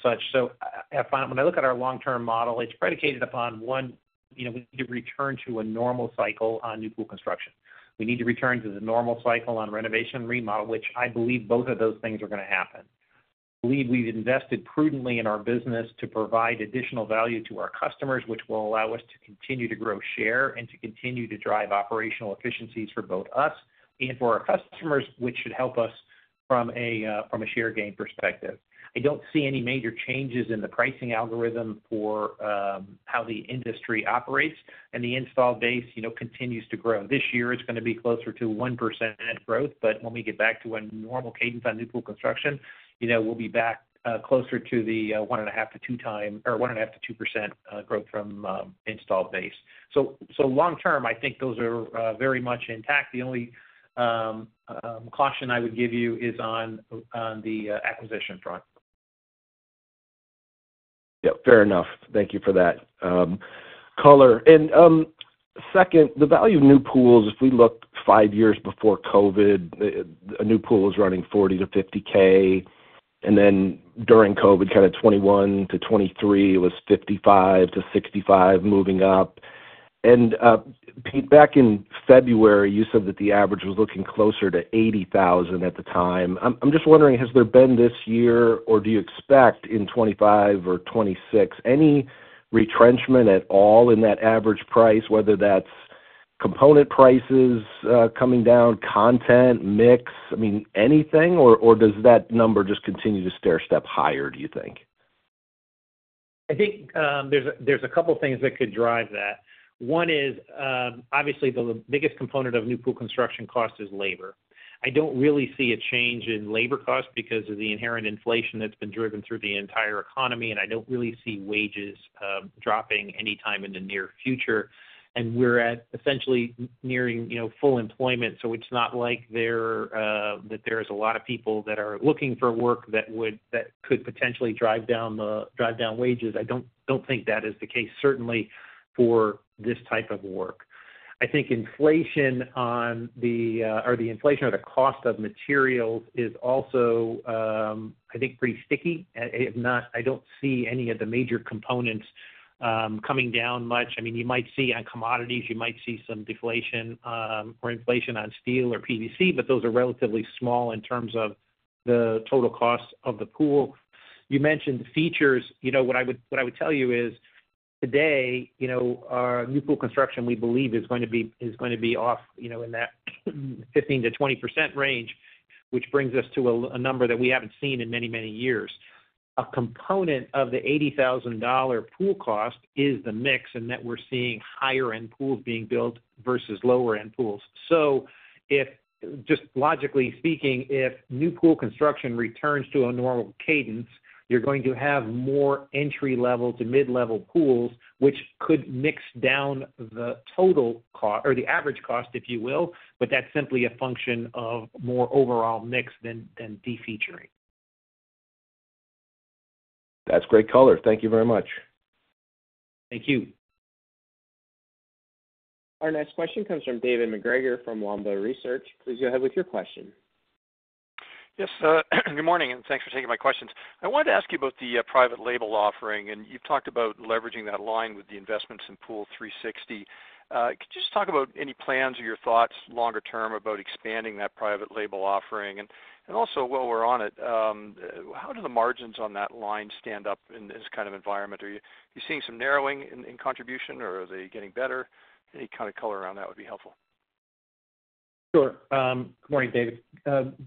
such. So when I look at our long-term model, it's predicated upon, one, you know, we need to return to a normal cycle on new pool construction. We need to return to the normal cycle on renovation and remodel, which I believe both of those things are gonna happen. I believe we've invested prudently in our business to provide additional value to our customers, which will allow us to continue to grow share and to continue to drive operational efficiencies for both us and for our customers, which should help us from a share gain perspective. I don't see any major changes in the pricing algorithm for how the industry operates, and the installed base, you know, continues to grow. This year, it's gonna be closer to 1% growth, but when we get back to a normal cadence on new pool construction, you know, we'll be back closer to the 1.5x-2x, or 1.5%-2% growth from installed base. So long term, I think those are very much intact. The only caution I would give you is on the acquisition front. Yeah, fair enough. Thank you for that, color. And, second, the value of new pools, if we look five years before COVID, a new pool was running $40,000-$50,000, and then during COVID, kind of 2021 to 2023, it was $55,000-$65,000 moving up. And, Pete, back in February, you said that the average was looking closer to $80,000 at the time. I'm just wondering, has there been this year, or do you expect in 2025 or 2026, any retrenchment at all in that average price, whether that's component prices, coming down, content, mix, I mean, anything? Or, does that number just continue to stairstep higher, do you think? I think, there's a couple things that could drive that. One is, obviously, the biggest component of new pool construction cost is labor. I don't really see a change in labor cost because of the inherent inflation that's been driven through the entire economy, and I don't really see wages, dropping anytime in the near future. And we're at essentially nearing, you know, full employment, so it's not like there, that there's a lot of people that are looking for work that could potentially drive down wages. I don't think that is the case, certainly for this type of work. I think inflation on the, or the inflation or the cost of materials is also, I think, pretty sticky. If not, I don't see any of the major components, coming down much. I mean, you might see on commodities, you might see some deflation, or inflation on steel or PVC, but those are relatively small in terms of the total cost of the pool. You mentioned the features. You know, what I would, what I would tell you is, today, you know, our new pool construction, we believe, is going to be, is going to be off, you know, in that 15%-20% range, which brings us to a number that we haven't seen in many, many years. A component of the $80,000 pool cost is the mix, and that we're seeing higher-end pools being built versus lower-end pools. So if, just logically speaking, if new pool construction returns to a normal cadence, you're going to have more entry-level to mid-level pools, which could mix down the total cost or the average cost, if you will, but that's simply a function of more overall mix than de-featuring. That's great color. Thank you very much. Thank you. Our next question comes from David MacGregor from Longbow Research. Please go ahead with your question. Yes, good morning, and thanks for taking my questions. I wanted to ask you about the private label offering, and you've talked about leveraging that line with the investments in POOL360. Could you just talk about any plans or your thoughts longer term about expanding that private label offering? And also, while we're on it, how do the margins on that line stand up in this kind of environment? Are you seeing some narrowing in contribution, or are they getting better? Any kind of color around that would be helpful. Sure. Good morning, David.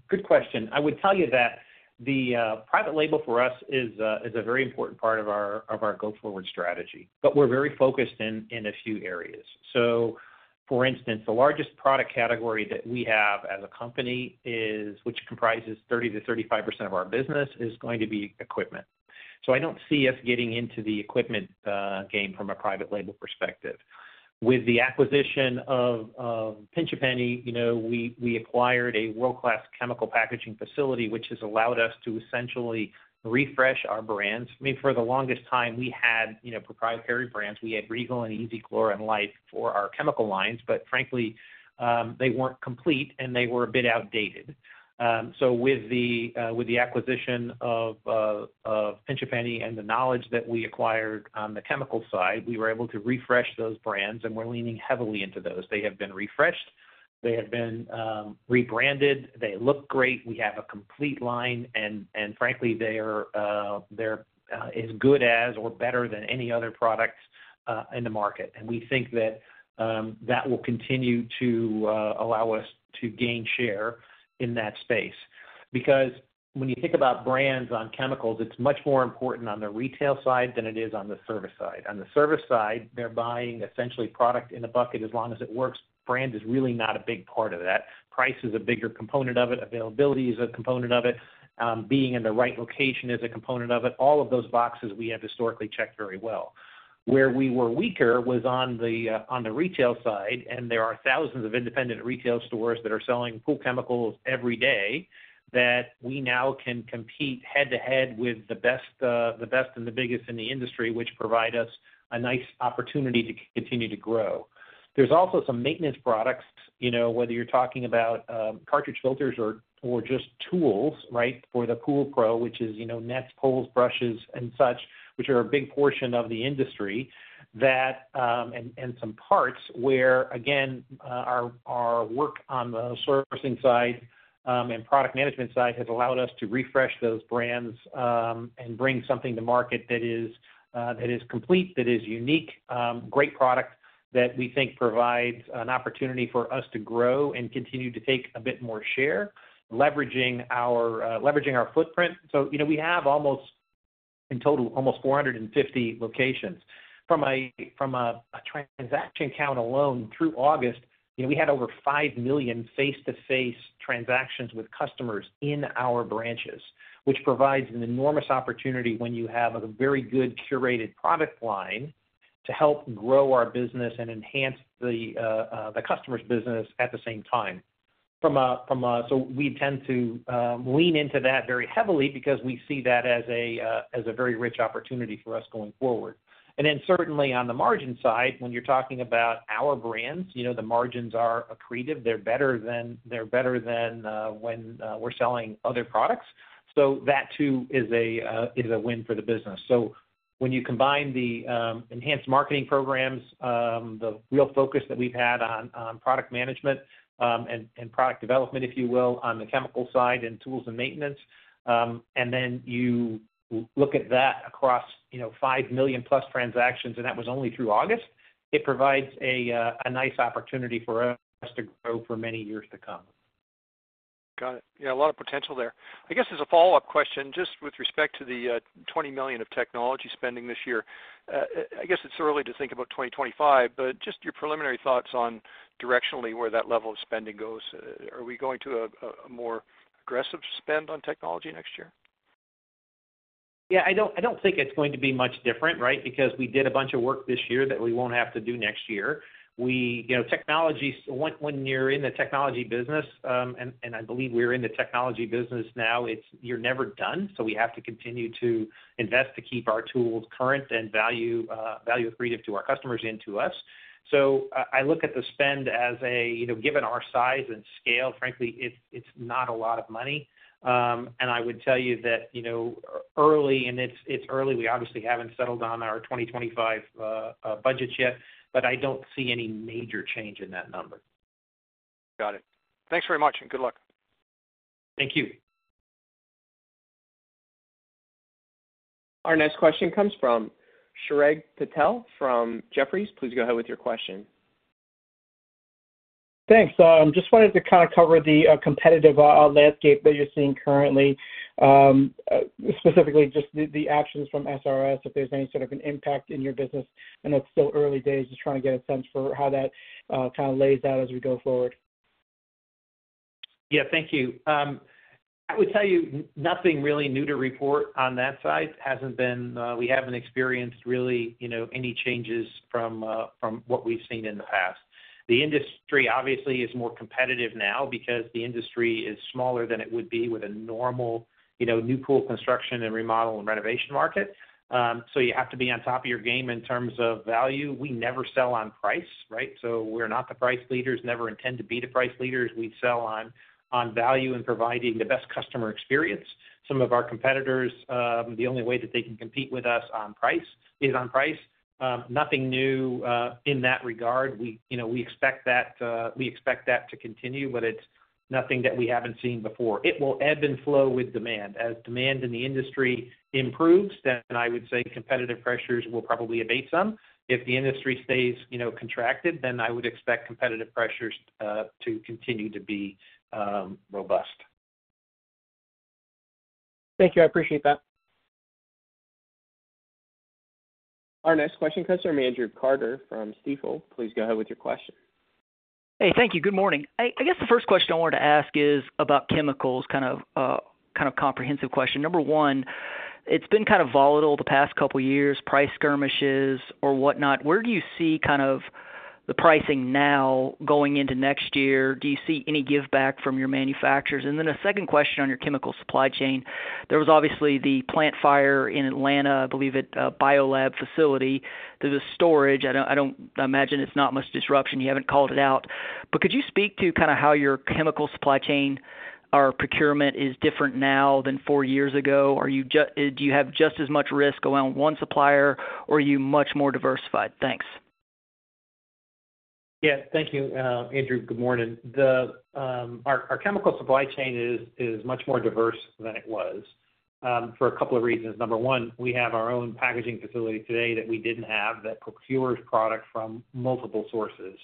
Good question. I would tell you that the private label for us is a very important part of our go-forward strategy, but we're very focused in a few areas. So for instance, the largest product category that we have as a company is, which comprises 30%-35% of our business, is going to be equipment. So I don't see us getting into the equipment game from a private label perspective. With the acquisition of Pinch A Penny, you know, we acquired a world-class chemical packaging facility, which has allowed us to essentially refresh our brands. I mean, for the longest time, we had, you know, proprietary brands. We had Regal and E-Z Clor and Life for our chemical lines, but frankly, they weren't complete, and they were a bit outdated. So with the acquisition of Pinch A Penny and the knowledge that we acquired on the chemical side, we were able to refresh those brands, and we're leaning heavily into those. They have been refreshed. They have been rebranded. They look great. We have a complete line, and frankly, they are as good as or better than any other products in the market. We think that will continue to allow us to gain share in that space. Because when you think about brands on chemicals, it's much more important on the retail side than it is on the service side. On the service side, they're buying essentially product in a bucket as long as it works. Brand is really not a big part of that. Price is a bigger component of it. Availability is a component of it. Being in the right location is a component of it. All of those boxes we have historically checked very well. Where we were weaker was on the retail side, and there are thousands of independent retail stores that are selling pool chemicals every day, that we now can compete head-to-head with the best and the biggest in the industry, which provide us a nice opportunity to continue to grow. There's also some maintenance products, you know, whether you're talking about cartridge filters or just tools, right, for the pool pro, which is, you know, nets, poles, brushes, and such, which are a big portion of the industry, that and some parts where, again, our work on the sourcing side and product management side has allowed us to refresh those brands and bring something to market that is that is complete, that is unique, great product that we think provides an opportunity for us to grow and continue to take a bit more share, leveraging our footprint. So, you know, we have almost, in total, almost 450 locations. From a transaction count alone through August, you know, we had over 5 million face-to-face transactions with customers in our branches, which provides an enormous opportunity when you have a very good curated product line to help grow our business and enhance the customer's business at the same time. So we tend to lean into that very heavily because we see that as a very rich opportunity for us going forward. And then certainly on the margin side, when you're talking about our brands, you know, the margins are accretive. They're better than when we're selling other products. So that, too, is a win for the business. So when you combine the enhanced marketing programs, the real focus that we've had on product management, and product development, if you will, on the chemical side and tools and maintenance, and then you look at that across, you know, 5 million+ transactions, and that was only through August, it provides a nice opportunity for us to grow for many years to come. Got it. Yeah, a lot of potential there. I guess as a follow-up question, just with respect to the $20 million of technology spending this year, I guess it's early to think about 2025, but just your preliminary thoughts on directionally where that level of spending goes. Are we going to a more aggressive spend on technology next year? Yeah, I don't, I don't think it's going to be much different, right? Because we did a bunch of work this year that we won't have to do next year. We, you know, technology, when, when you're in the technology business, and, and I believe we're in the technology business now, it's, you're never done, so we have to continue to invest to keep our tools current and value, value accretive to our customers and to us. So I look at the spend as a, you know, given our size and scale, frankly, it's not a lot of money. And I would tell you that, you know, early, and it's early, we obviously haven't settled on our 2025 budgets yet, but I don't see any major change in that number. Got it. Thanks very much, and good luck. Thank you.... Our next question comes from Chirag Patel from Jefferies. Please go ahead with your question. Thanks. So, just wanted to kind of cover the competitive landscape that you're seeing currently. Specifically just the actions from SRS, if there's any sort of an impact in your business. I know it's still early days, just trying to get a sense for how that kind of lays out as we go forward. Yeah, thank you. I would tell you nothing really new to report on that side. Hasn't been, we haven't experienced really, you know, any changes from what we've seen in the past. The industry, obviously, is more competitive now because the industry is smaller than it would be with a normal, you know, new pool construction and remodel and renovation market. So you have to be on top of your game in terms of value. We never sell on price, right? So we're not the price leaders, never intend to be the price leaders. We sell on value and providing the best customer experience. Some of our competitors, the only way that they can compete with us on price, is on price. Nothing new in that regard. We, you know, expect that to continue, but it's nothing that we haven't seen before. It will ebb and flow with demand. As demand in the industry improves, then I would say competitive pressures will probably abate some. If the industry stays, you know, contracted, then I would expect competitive pressures to continue to be robust. Thank you. I appreciate that. Our next question comes from Andrew Carter from Stifel. Please go ahead with your question. Hey, thank you. Good morning. I guess the first question I wanted to ask is about chemicals, kind of, kind of comprehensive question. Number one, it's been kind of volatile the past couple of years, price skirmishes or whatnot. Where do you see kind of the pricing now going into next year? Do you see any give back from your manufacturers? And then a second question on your chemical supply chain. There was obviously the plant fire in Atlanta, I believe at a BioLab facility. There's a storage. I don't imagine it's not much disruption. You haven't called it out. But could you speak to kind of how your chemical supply chain or procurement is different now than four years ago? Are you just, Do you have just as much risk around one supplier, or are you much more diversified? Thanks. Yeah, thank you, Andrew, good morning. Our chemical supply chain is much more diverse than it was for a couple of reasons. Number one, we have our own packaging facility today that we didn't have that procures product from multiple sources.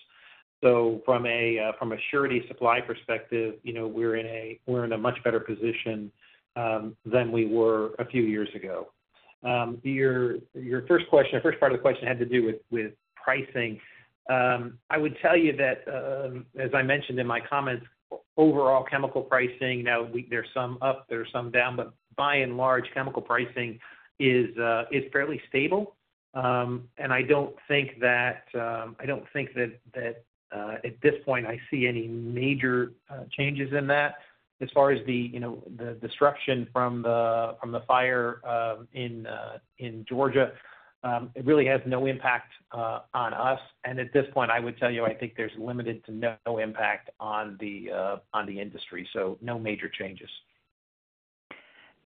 So from a surety supply perspective, you know, we're in a much better position than we were a few years ago. Your first question, the first part of the question had to do with pricing. I would tell you that, as I mentioned in my comments, overall chemical pricing, now there's some up, there's some down, but by and large, chemical pricing is fairly stable. I don't think that at this point, I see any major changes in that. As far as, you know, the disruption from the fire in Georgia, it really has no impact on us. And at this point, I would tell you, I think there's limited to no impact on the industry, so no major changes.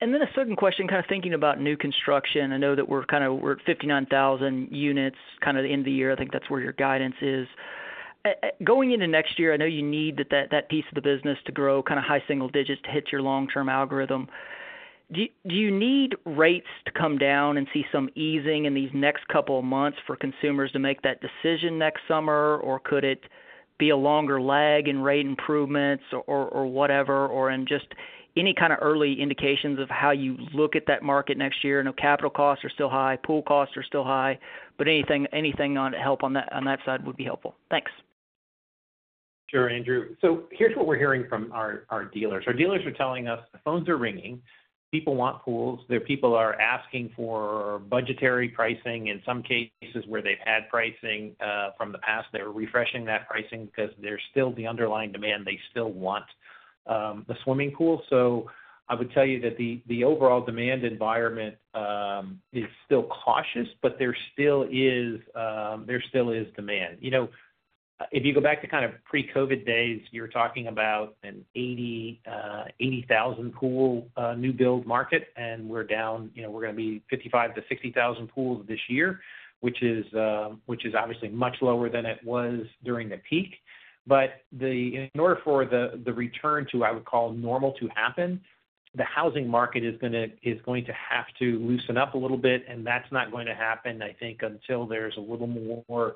Then a second question, kind of thinking about new construction. I know that we're kind of, we're at 59,000 units, kind of the end of the year. I think that's where your guidance is. Going into next year, I know you need that piece of the business to grow kind of high single digits to hit your long-term algorithm. Do you need rates to come down and see some easing in these next couple of months for consumers to make that decision next summer? Or could it be a longer lag in rate improvements or whatever, and just any kind of early indications of how you look at that market next year? I know capital costs are still high, pool costs are still high, but anything on help on that side would be helpful. Thanks. Sure, Andrew. So here's what we're hearing from our dealers. Our dealers are telling us the phones are ringing, people want pools. Their people are asking for budgetary pricing. In some cases, where they've had pricing from the past, they're refreshing that pricing because there's still the underlying demand. They still want the swimming pool. So I would tell you that the overall demand environment is still cautious, but there still is demand. You know, if you go back to kind of pre-COVID days, you're talking about an eighty thousand pool new build market, and we're down, you know, we're gonna be fifty-five to sixty thousand pools this year, which is obviously much lower than it was during the peak. But in order for the return to what I would call normal to happen, the housing market is going to have to loosen up a little bit, and that's not going to happen, I think, until there's a little more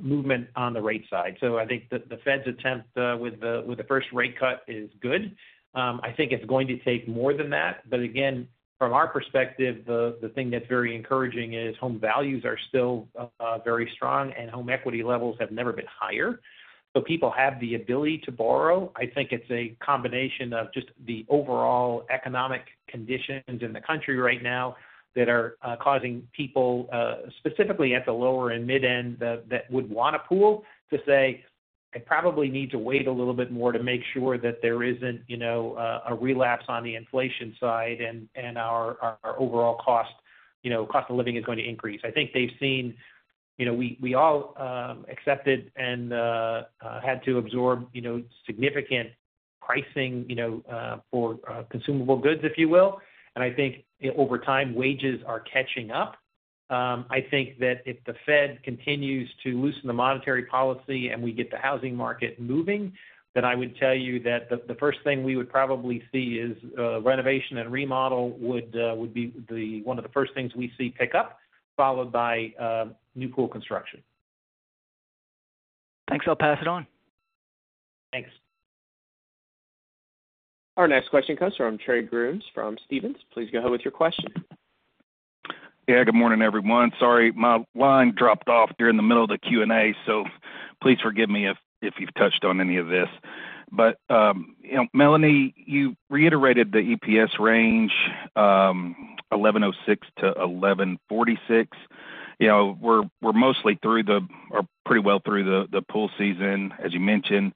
movement on the rate side. So I think the Fed's attempt with the first rate cut is good. I think it's going to take more than that. But again, from our perspective, the thing that's very encouraging is home values are still very strong, and home equity levels have never been higher, so people have the ability to borrow. I think it's a combination of just the overall economic conditions in the country right now that are causing people, specifically at the lower and mid-end, that would want a pool, to say, "I probably need to wait a little bit more to make sure that there isn't, you know, a relapse on the inflation side and our overall cost, you know, cost of living is going to increase." I think they've seen... You know, we all accepted and had to absorb, you know, significant pricing, you know, for consumable goods, if you will. And I think over time, wages are catching up. I think that if the Fed continues to loosen the monetary policy and we get the housing market moving, then I would tell you that the first thing we would probably see is renovation and remodel would be one of the first things we see pick up, followed by new pool construction. Thanks. I'll pass it on. Thanks. Our next question comes from Trey Grooms from Stephens. Please go ahead with your question. Yeah, good morning, everyone. Sorry, my line dropped off during the middle of the Q&A, so please forgive me if you've touched on any of this. But you know, Melanie, you reiterated the EPS range, $11.06-$11.46. You know, we're mostly through the, or pretty well through the pool season, as you mentioned.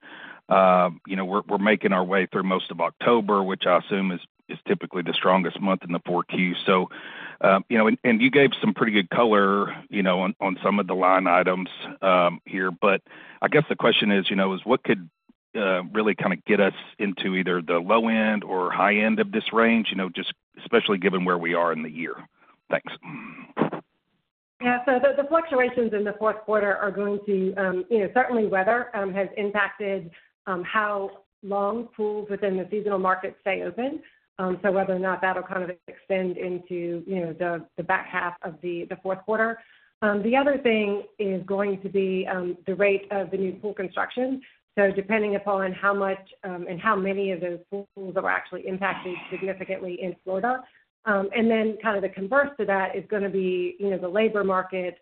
You know, we're making our way through most of October, which I assume is typically the strongest month in the 4Q. So you know, and you gave some pretty good color, you know, on some of the line items here. But I guess the question is, you know, what could really kind of get us into either the low end or high end of this range? You know, just especially given where we are in the year. Thanks. Yeah. So the fluctuations in the fourth quarter are going to, you know, certainly weather has impacted how long pools within the seasonal market stay open. So whether or not that'll kind of extend into, you know, the back half of the fourth quarter. The other thing is going to be the rate of the new pool construction. So depending upon how much and how many of those pools are actually impacted significantly in Florida. And then kind of the converse to that is gonna be, you know, the labor market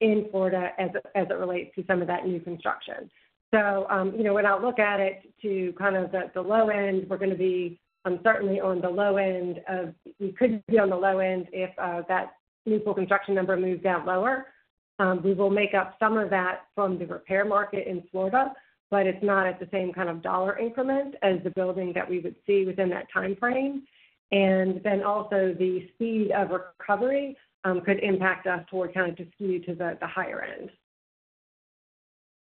in Florida as it relates to some of that new construction. So, you know, when I look at it to kind of the low end, we're gonna be certainly on the low end of... We could be on the low end if that new pool construction number moves down lower. We will make up some of that from the repair market in Florida, but it's not at the same kind of dollar increment as the building that we would see within that time frame, and then also, the speed of recovery could impact us toward kind of to skew to the higher end.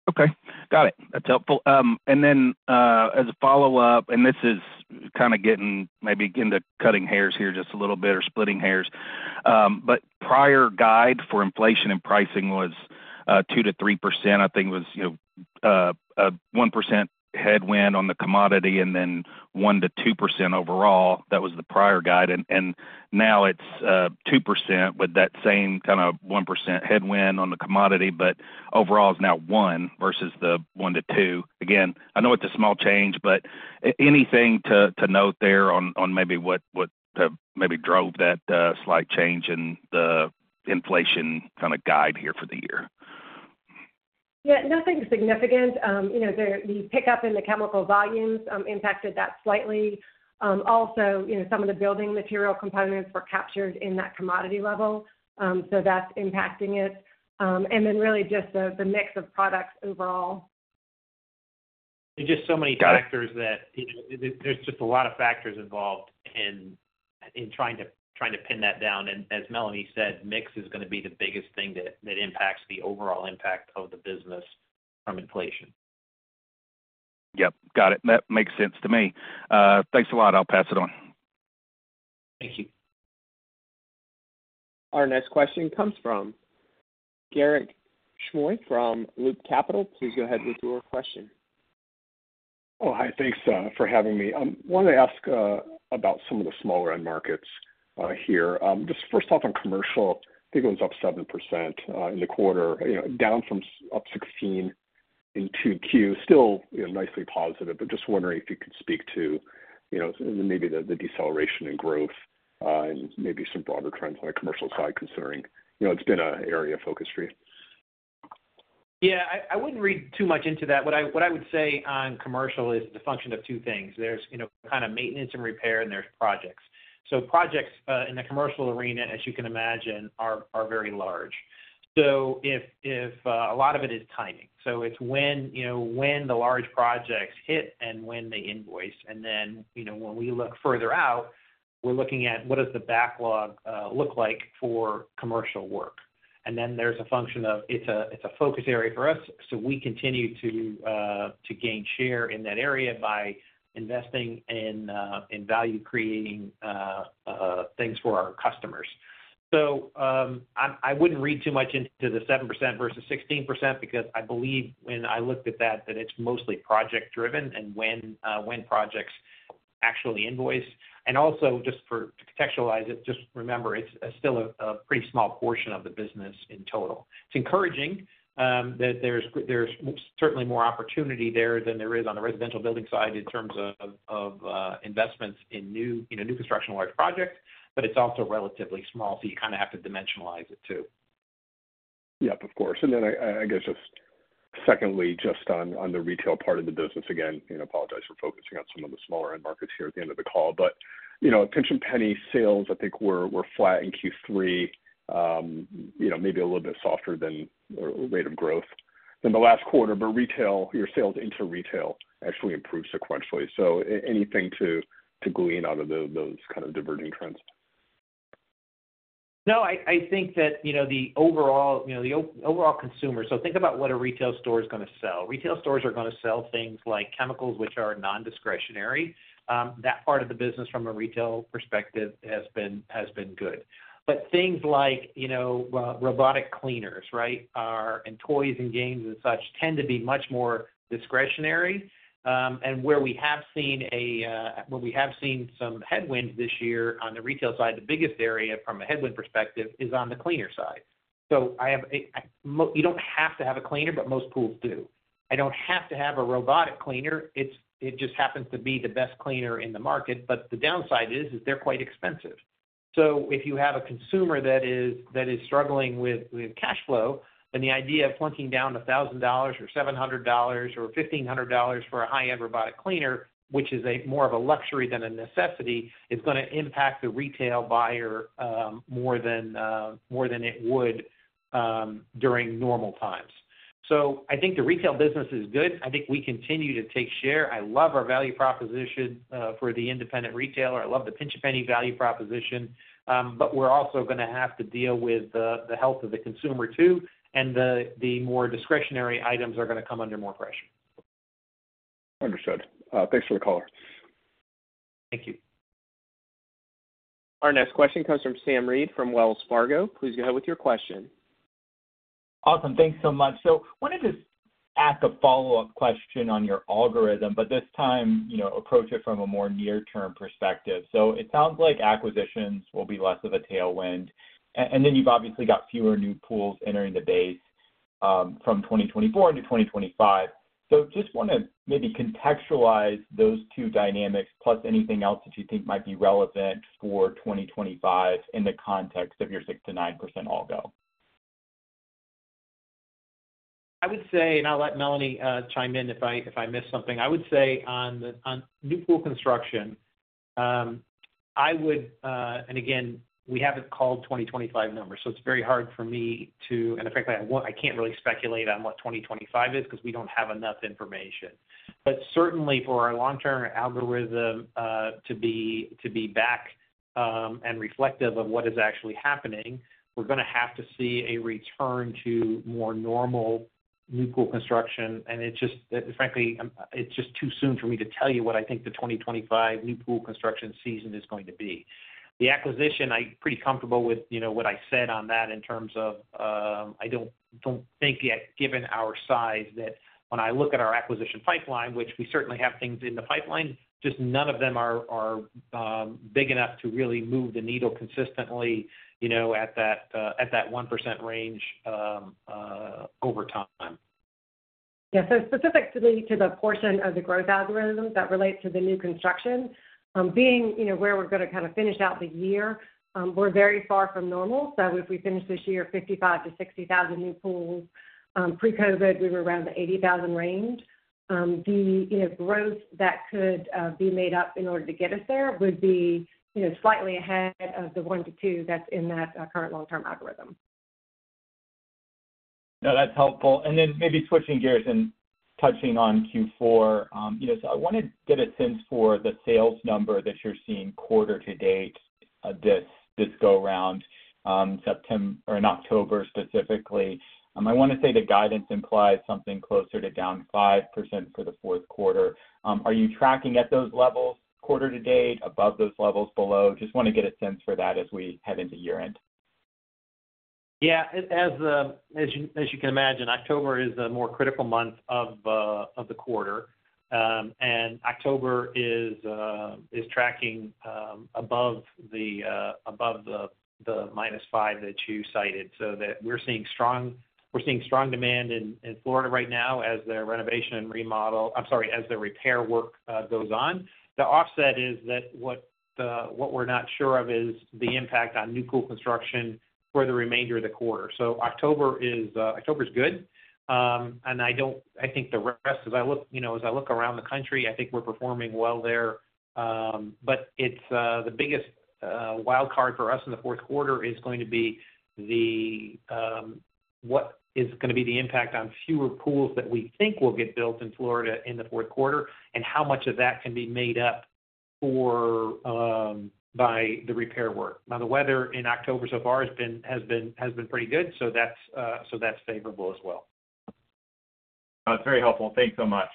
Okay, got it. That's helpful. And then, as a follow-up, and this is kind of getting maybe into cutting hairs here just a little bit, or splitting hairs. But prior guide for inflation and pricing was, 2%-3%, I think was, you know, a 1% headwind on the commodity, and then 1%-2% overall. That was the prior guide. And now it's, 2%, with that same kind of 1% headwind on the commodity, but overall is now 1% versus the 1%-2%. Again, I know it's a small change, but anything to note there on maybe what maybe drove that slight change in the inflation kind of guide here for the year? Yeah, nothing significant. You know, the pickup in the chemical volumes impacted that slightly. Also, you know, some of the building material components were captured in that commodity level, so that's impacting it. And then really just the mix of products overall. There are just so many factors- Got it. That, you know, there's just a lot of factors involved in trying to pin that down. And as Melanie said, mix is gonna be the biggest thing that impacts the overall impact of the business from inflation. Yep, got it. That makes sense to me. Thanks a lot. I'll pass it on. Thank you. Our next question comes from Garik Shmois from Loop Capital. Please go ahead with your question. Oh, hi. Thanks for having me. Wanted to ask about some of the smaller end markets here. Just first off, on commercial, I think it was up 7% in the quarter, you know, down from up 16% in 2Q. Still, you know, nicely positive, but just wondering if you could speak to, you know, maybe the deceleration in growth and maybe some broader trends on the commercial side, considering, you know, it's been an area of focus for you. Yeah, I wouldn't read too much into that. What I would say on commercial is the function of two things. There's, you know, kind of maintenance and repair, and there's projects. So projects in the commercial arena, as you can imagine, are very large. So if a lot of it is timing, so it's when, you know, when the large projects hit and when they invoice. And then, you know, when we look further out, we're looking at what does the backlog look like for commercial work? And then there's a function of. It's a focus area for us, so we continue to gain share in that area by investing in value creating things for our customers. I wouldn't read too much into the 7% versus 16%, because I believe when I looked at that, it's mostly project driven and when projects actually invoice. And also just for to contextualize it, just remember, it's still a pretty small portion of the business in total. It's encouraging that there's certainly more opportunity there than there is on the residential building side in terms of investments in new, you know, new construction, large projects, but it's also relatively small, so you kind of have to dimensionalize it, too. Yep, of course. And then I guess just secondly, just on the retail part of the business, again, I apologize for focusing on some of the smaller end markets here at the end of the call. But, you know, Pinch A Penny sales, I think, were flat in Q3. You know, maybe a little bit softer than rate of growth than the last quarter, but retail, your sales into retail actually improved sequentially. So anything to glean out of those kind of diverging trends?... No, I think that, you know, the overall, you know, the overall consumer, so think about what a retail store is gonna sell. Retail stores are gonna sell things like chemicals, which are non-discretionary. That part of the business from a retail perspective has been good. But things like, you know, robotic cleaners, right, are and toys and games and such, tend to be much more discretionary. And where we have seen some headwinds this year on the retail side, the biggest area from a headwind perspective is on the cleaner side. So you don't have to have a cleaner, but most pools do. I don't have to have a robotic cleaner. It just happens to be the best cleaner in the market, but the downside is they're quite expensive. If you have a consumer that is struggling with cash flow, then the idea of plunking down $1,000 or $700 or $1,500 for a high-end robotic cleaner, which is more of a luxury than a necessity, is gonna impact the retail buyer more than it would during normal times. I think the retail business is good. I think we continue to take share. I love our value proposition for the independent retailer. I love the Pinch A Penny value proposition, but we're also gonna have to deal with the health of the consumer, too, and the more discretionary items are gonna come under more pressure. Understood. Thanks for the color. Thank you. Our next question comes from Sam Reid from Wells Fargo. Please go ahead with your question. Awesome. Thanks so much. So wanted to ask a follow-up question on your algorithm, but this time, you know, approach it from a more near-term perspective. So it sounds like acquisitions will be less of a tailwind, and then you've obviously got fewer new pools entering the base, from 2024 into 2025. So just wanna maybe contextualize those two dynamics, plus anything else that you think might be relevant for 2025 in the context of your 6%-9% algo. I would say, and I'll let Melanie chime in if I miss something. I would say on new pool construction, and again, we haven't called 2025 numbers, so it's very hard for me to-- and frankly, I want-- I can't really speculate on what 2025 is, 'cause we don't have enough information. But certainly, for our long-term algorithm, to be back, and reflective of what is actually happening, we're gonna have to see a return to more normal new pool construction, and it just... Frankly, it's just too soon for me to tell you what I think the 2025 new pool construction season is going to be. The acquisition, I'm pretty comfortable with, you know, what I said on that in terms of, I don't think yet, given our size, that when I look at our acquisition pipeline, which we certainly have things in the pipeline, just none of them are big enough to really move the needle consistently, you know, at that 1% range, over time. Yeah, so specifically to the portion of the growth algorithm that relates to the new construction, being, you know, where we're gonna kind of finish out the year, we're very far from normal. So if we finish this year, 55,000-60,000 new pools, pre-COVID, we were around the 80,000 range. The, you know, growth that could be made up in order to get us there would be, you know, slightly ahead of the one to two that's in that current long-term algorithm. No, that's helpful. And then maybe switching gears and touching on Q4. You know, so I wanna get a sense for the sales number that you're seeing quarter-to-date, this go around, September or in October specifically. I wanna say the guidance implies something closer to down 5% for the fourth quarter. Are you tracking at those levels quarter-to-date, above those levels, below? Just wanna get a sense for that as we head into year-end. Yeah, as you can imagine, October is a more critical month of the quarter. And October is tracking above the -5% that you cited. So we're seeing strong demand in Florida right now as the renovation and remodel, I'm sorry, as the repair work goes on. The offset is that what we're not sure of is the impact on new pool construction for the remainder of the quarter. So October is good. And I think the rest, as I look, you know, as I look around the country, I think we're performing well there. But it's the biggest wild card for us in the fourth quarter is going to be the. What is gonna be the impact on fewer pools that we think will get built in Florida in the fourth quarter, and how much of that can be made up for by the repair work? Now, the weather in October so far has been pretty good, so that's favorable as well. That's very helpful. Thank you so much.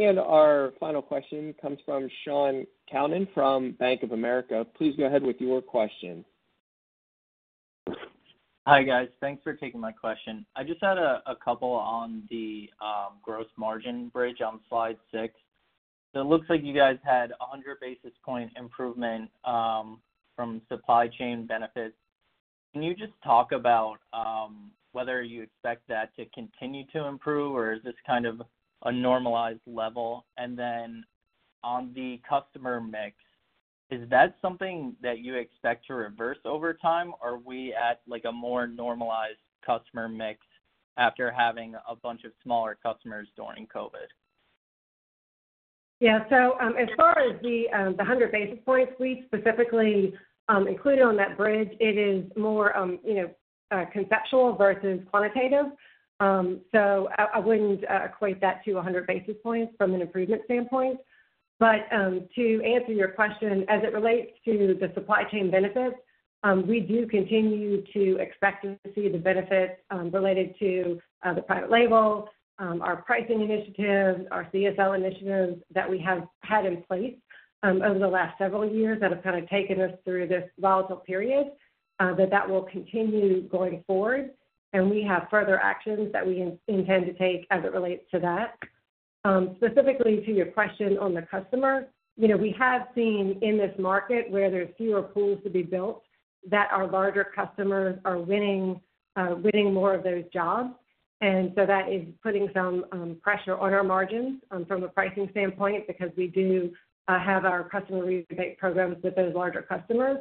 Our final question comes from Shaun Calnan from Bank of America. Please go ahead with your question. Hi, guys. Thanks for taking my question. I just had a couple on the gross margin bridge on slide six. So it looks like you guys had a 100 basis point improvement from supply chain benefits. Can you just talk about whether you expect that to continue to improve, or is this kind of a normalized level? And then on the customer mix, is that something that you expect to reverse over time, or are we at, like, a more normalized customer mix after having a bunch of smaller customers during COVID? Yeah, so, as far as the 100 basis points we specifically included on that bridge, it is more, you know, conceptual versus quantitative. So I wouldn't equate that to a hundred basis points from an improvement standpoint. But to answer your question, as it relates to the supply chain benefits. We do continue to expect to see the benefits related to the private label, our pricing initiatives, our CSL initiatives that we have had in place over the last several years that have kind of taken us through this volatile period, that will continue going forward. And we have further actions that we intend to take as it relates to that. Specifically to your question on the customer, you know, we have seen in this market where there's fewer pools to be built, that our larger customers are winning more of those jobs. And so that is putting some pressure on our margins from a pricing standpoint, because we do have our customer rebate programs with those larger customers.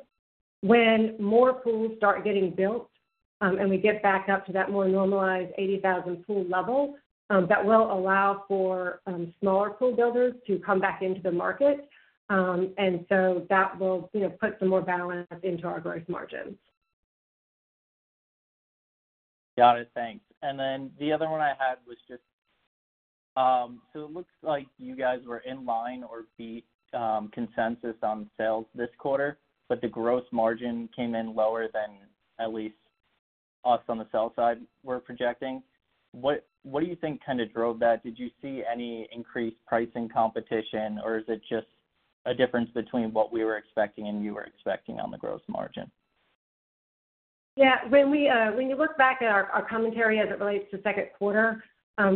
When more pools start getting built and we get back up to that more normalized 80,000 pool level, that will allow for smaller pool builders to come back into the market. And so that will, you know, put some more balance into our gross margins. Got it. Thanks. And then the other one I had was just, so it looks like you guys were in line or beat consensus on sales this quarter, but the gross margin came in lower than at least us on the sales side were projecting. What do you think kind of drove that? Did you see any increased pricing competition, or is it just a difference between what we were expecting and you were expecting on the gross margin? Yeah, when you look back at our commentary as it relates to second quarter,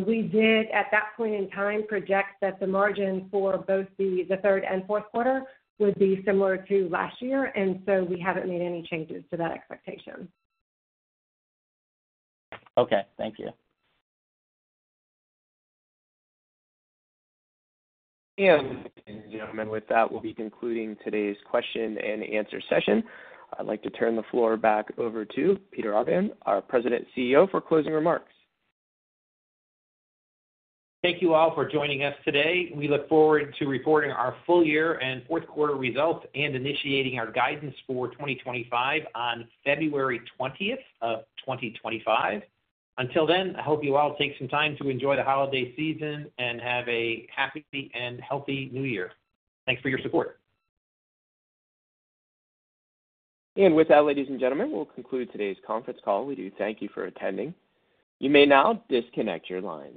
we did, at that point in time, project that the margin for both the third and fourth quarter would be similar to last year, and so we haven't made any changes to that expectation. Okay, thank you. Gentlemen, with that, we'll be concluding today's question and answer session. I'd like to turn the floor back over to Peter Arvan, our President and CEO, for closing remarks. Thank you all for joining us today. We look forward to reporting our full year and fourth quarter results and initiating our guidance for 2025 on February 20th of 2025. Until then, I hope you all take some time to enjoy the holiday season and have a happy and healthy New Year. Thanks for your support. And with that, ladies and gentlemen, we'll conclude today's conference call. We do thank you for attending. You may now disconnect your lines.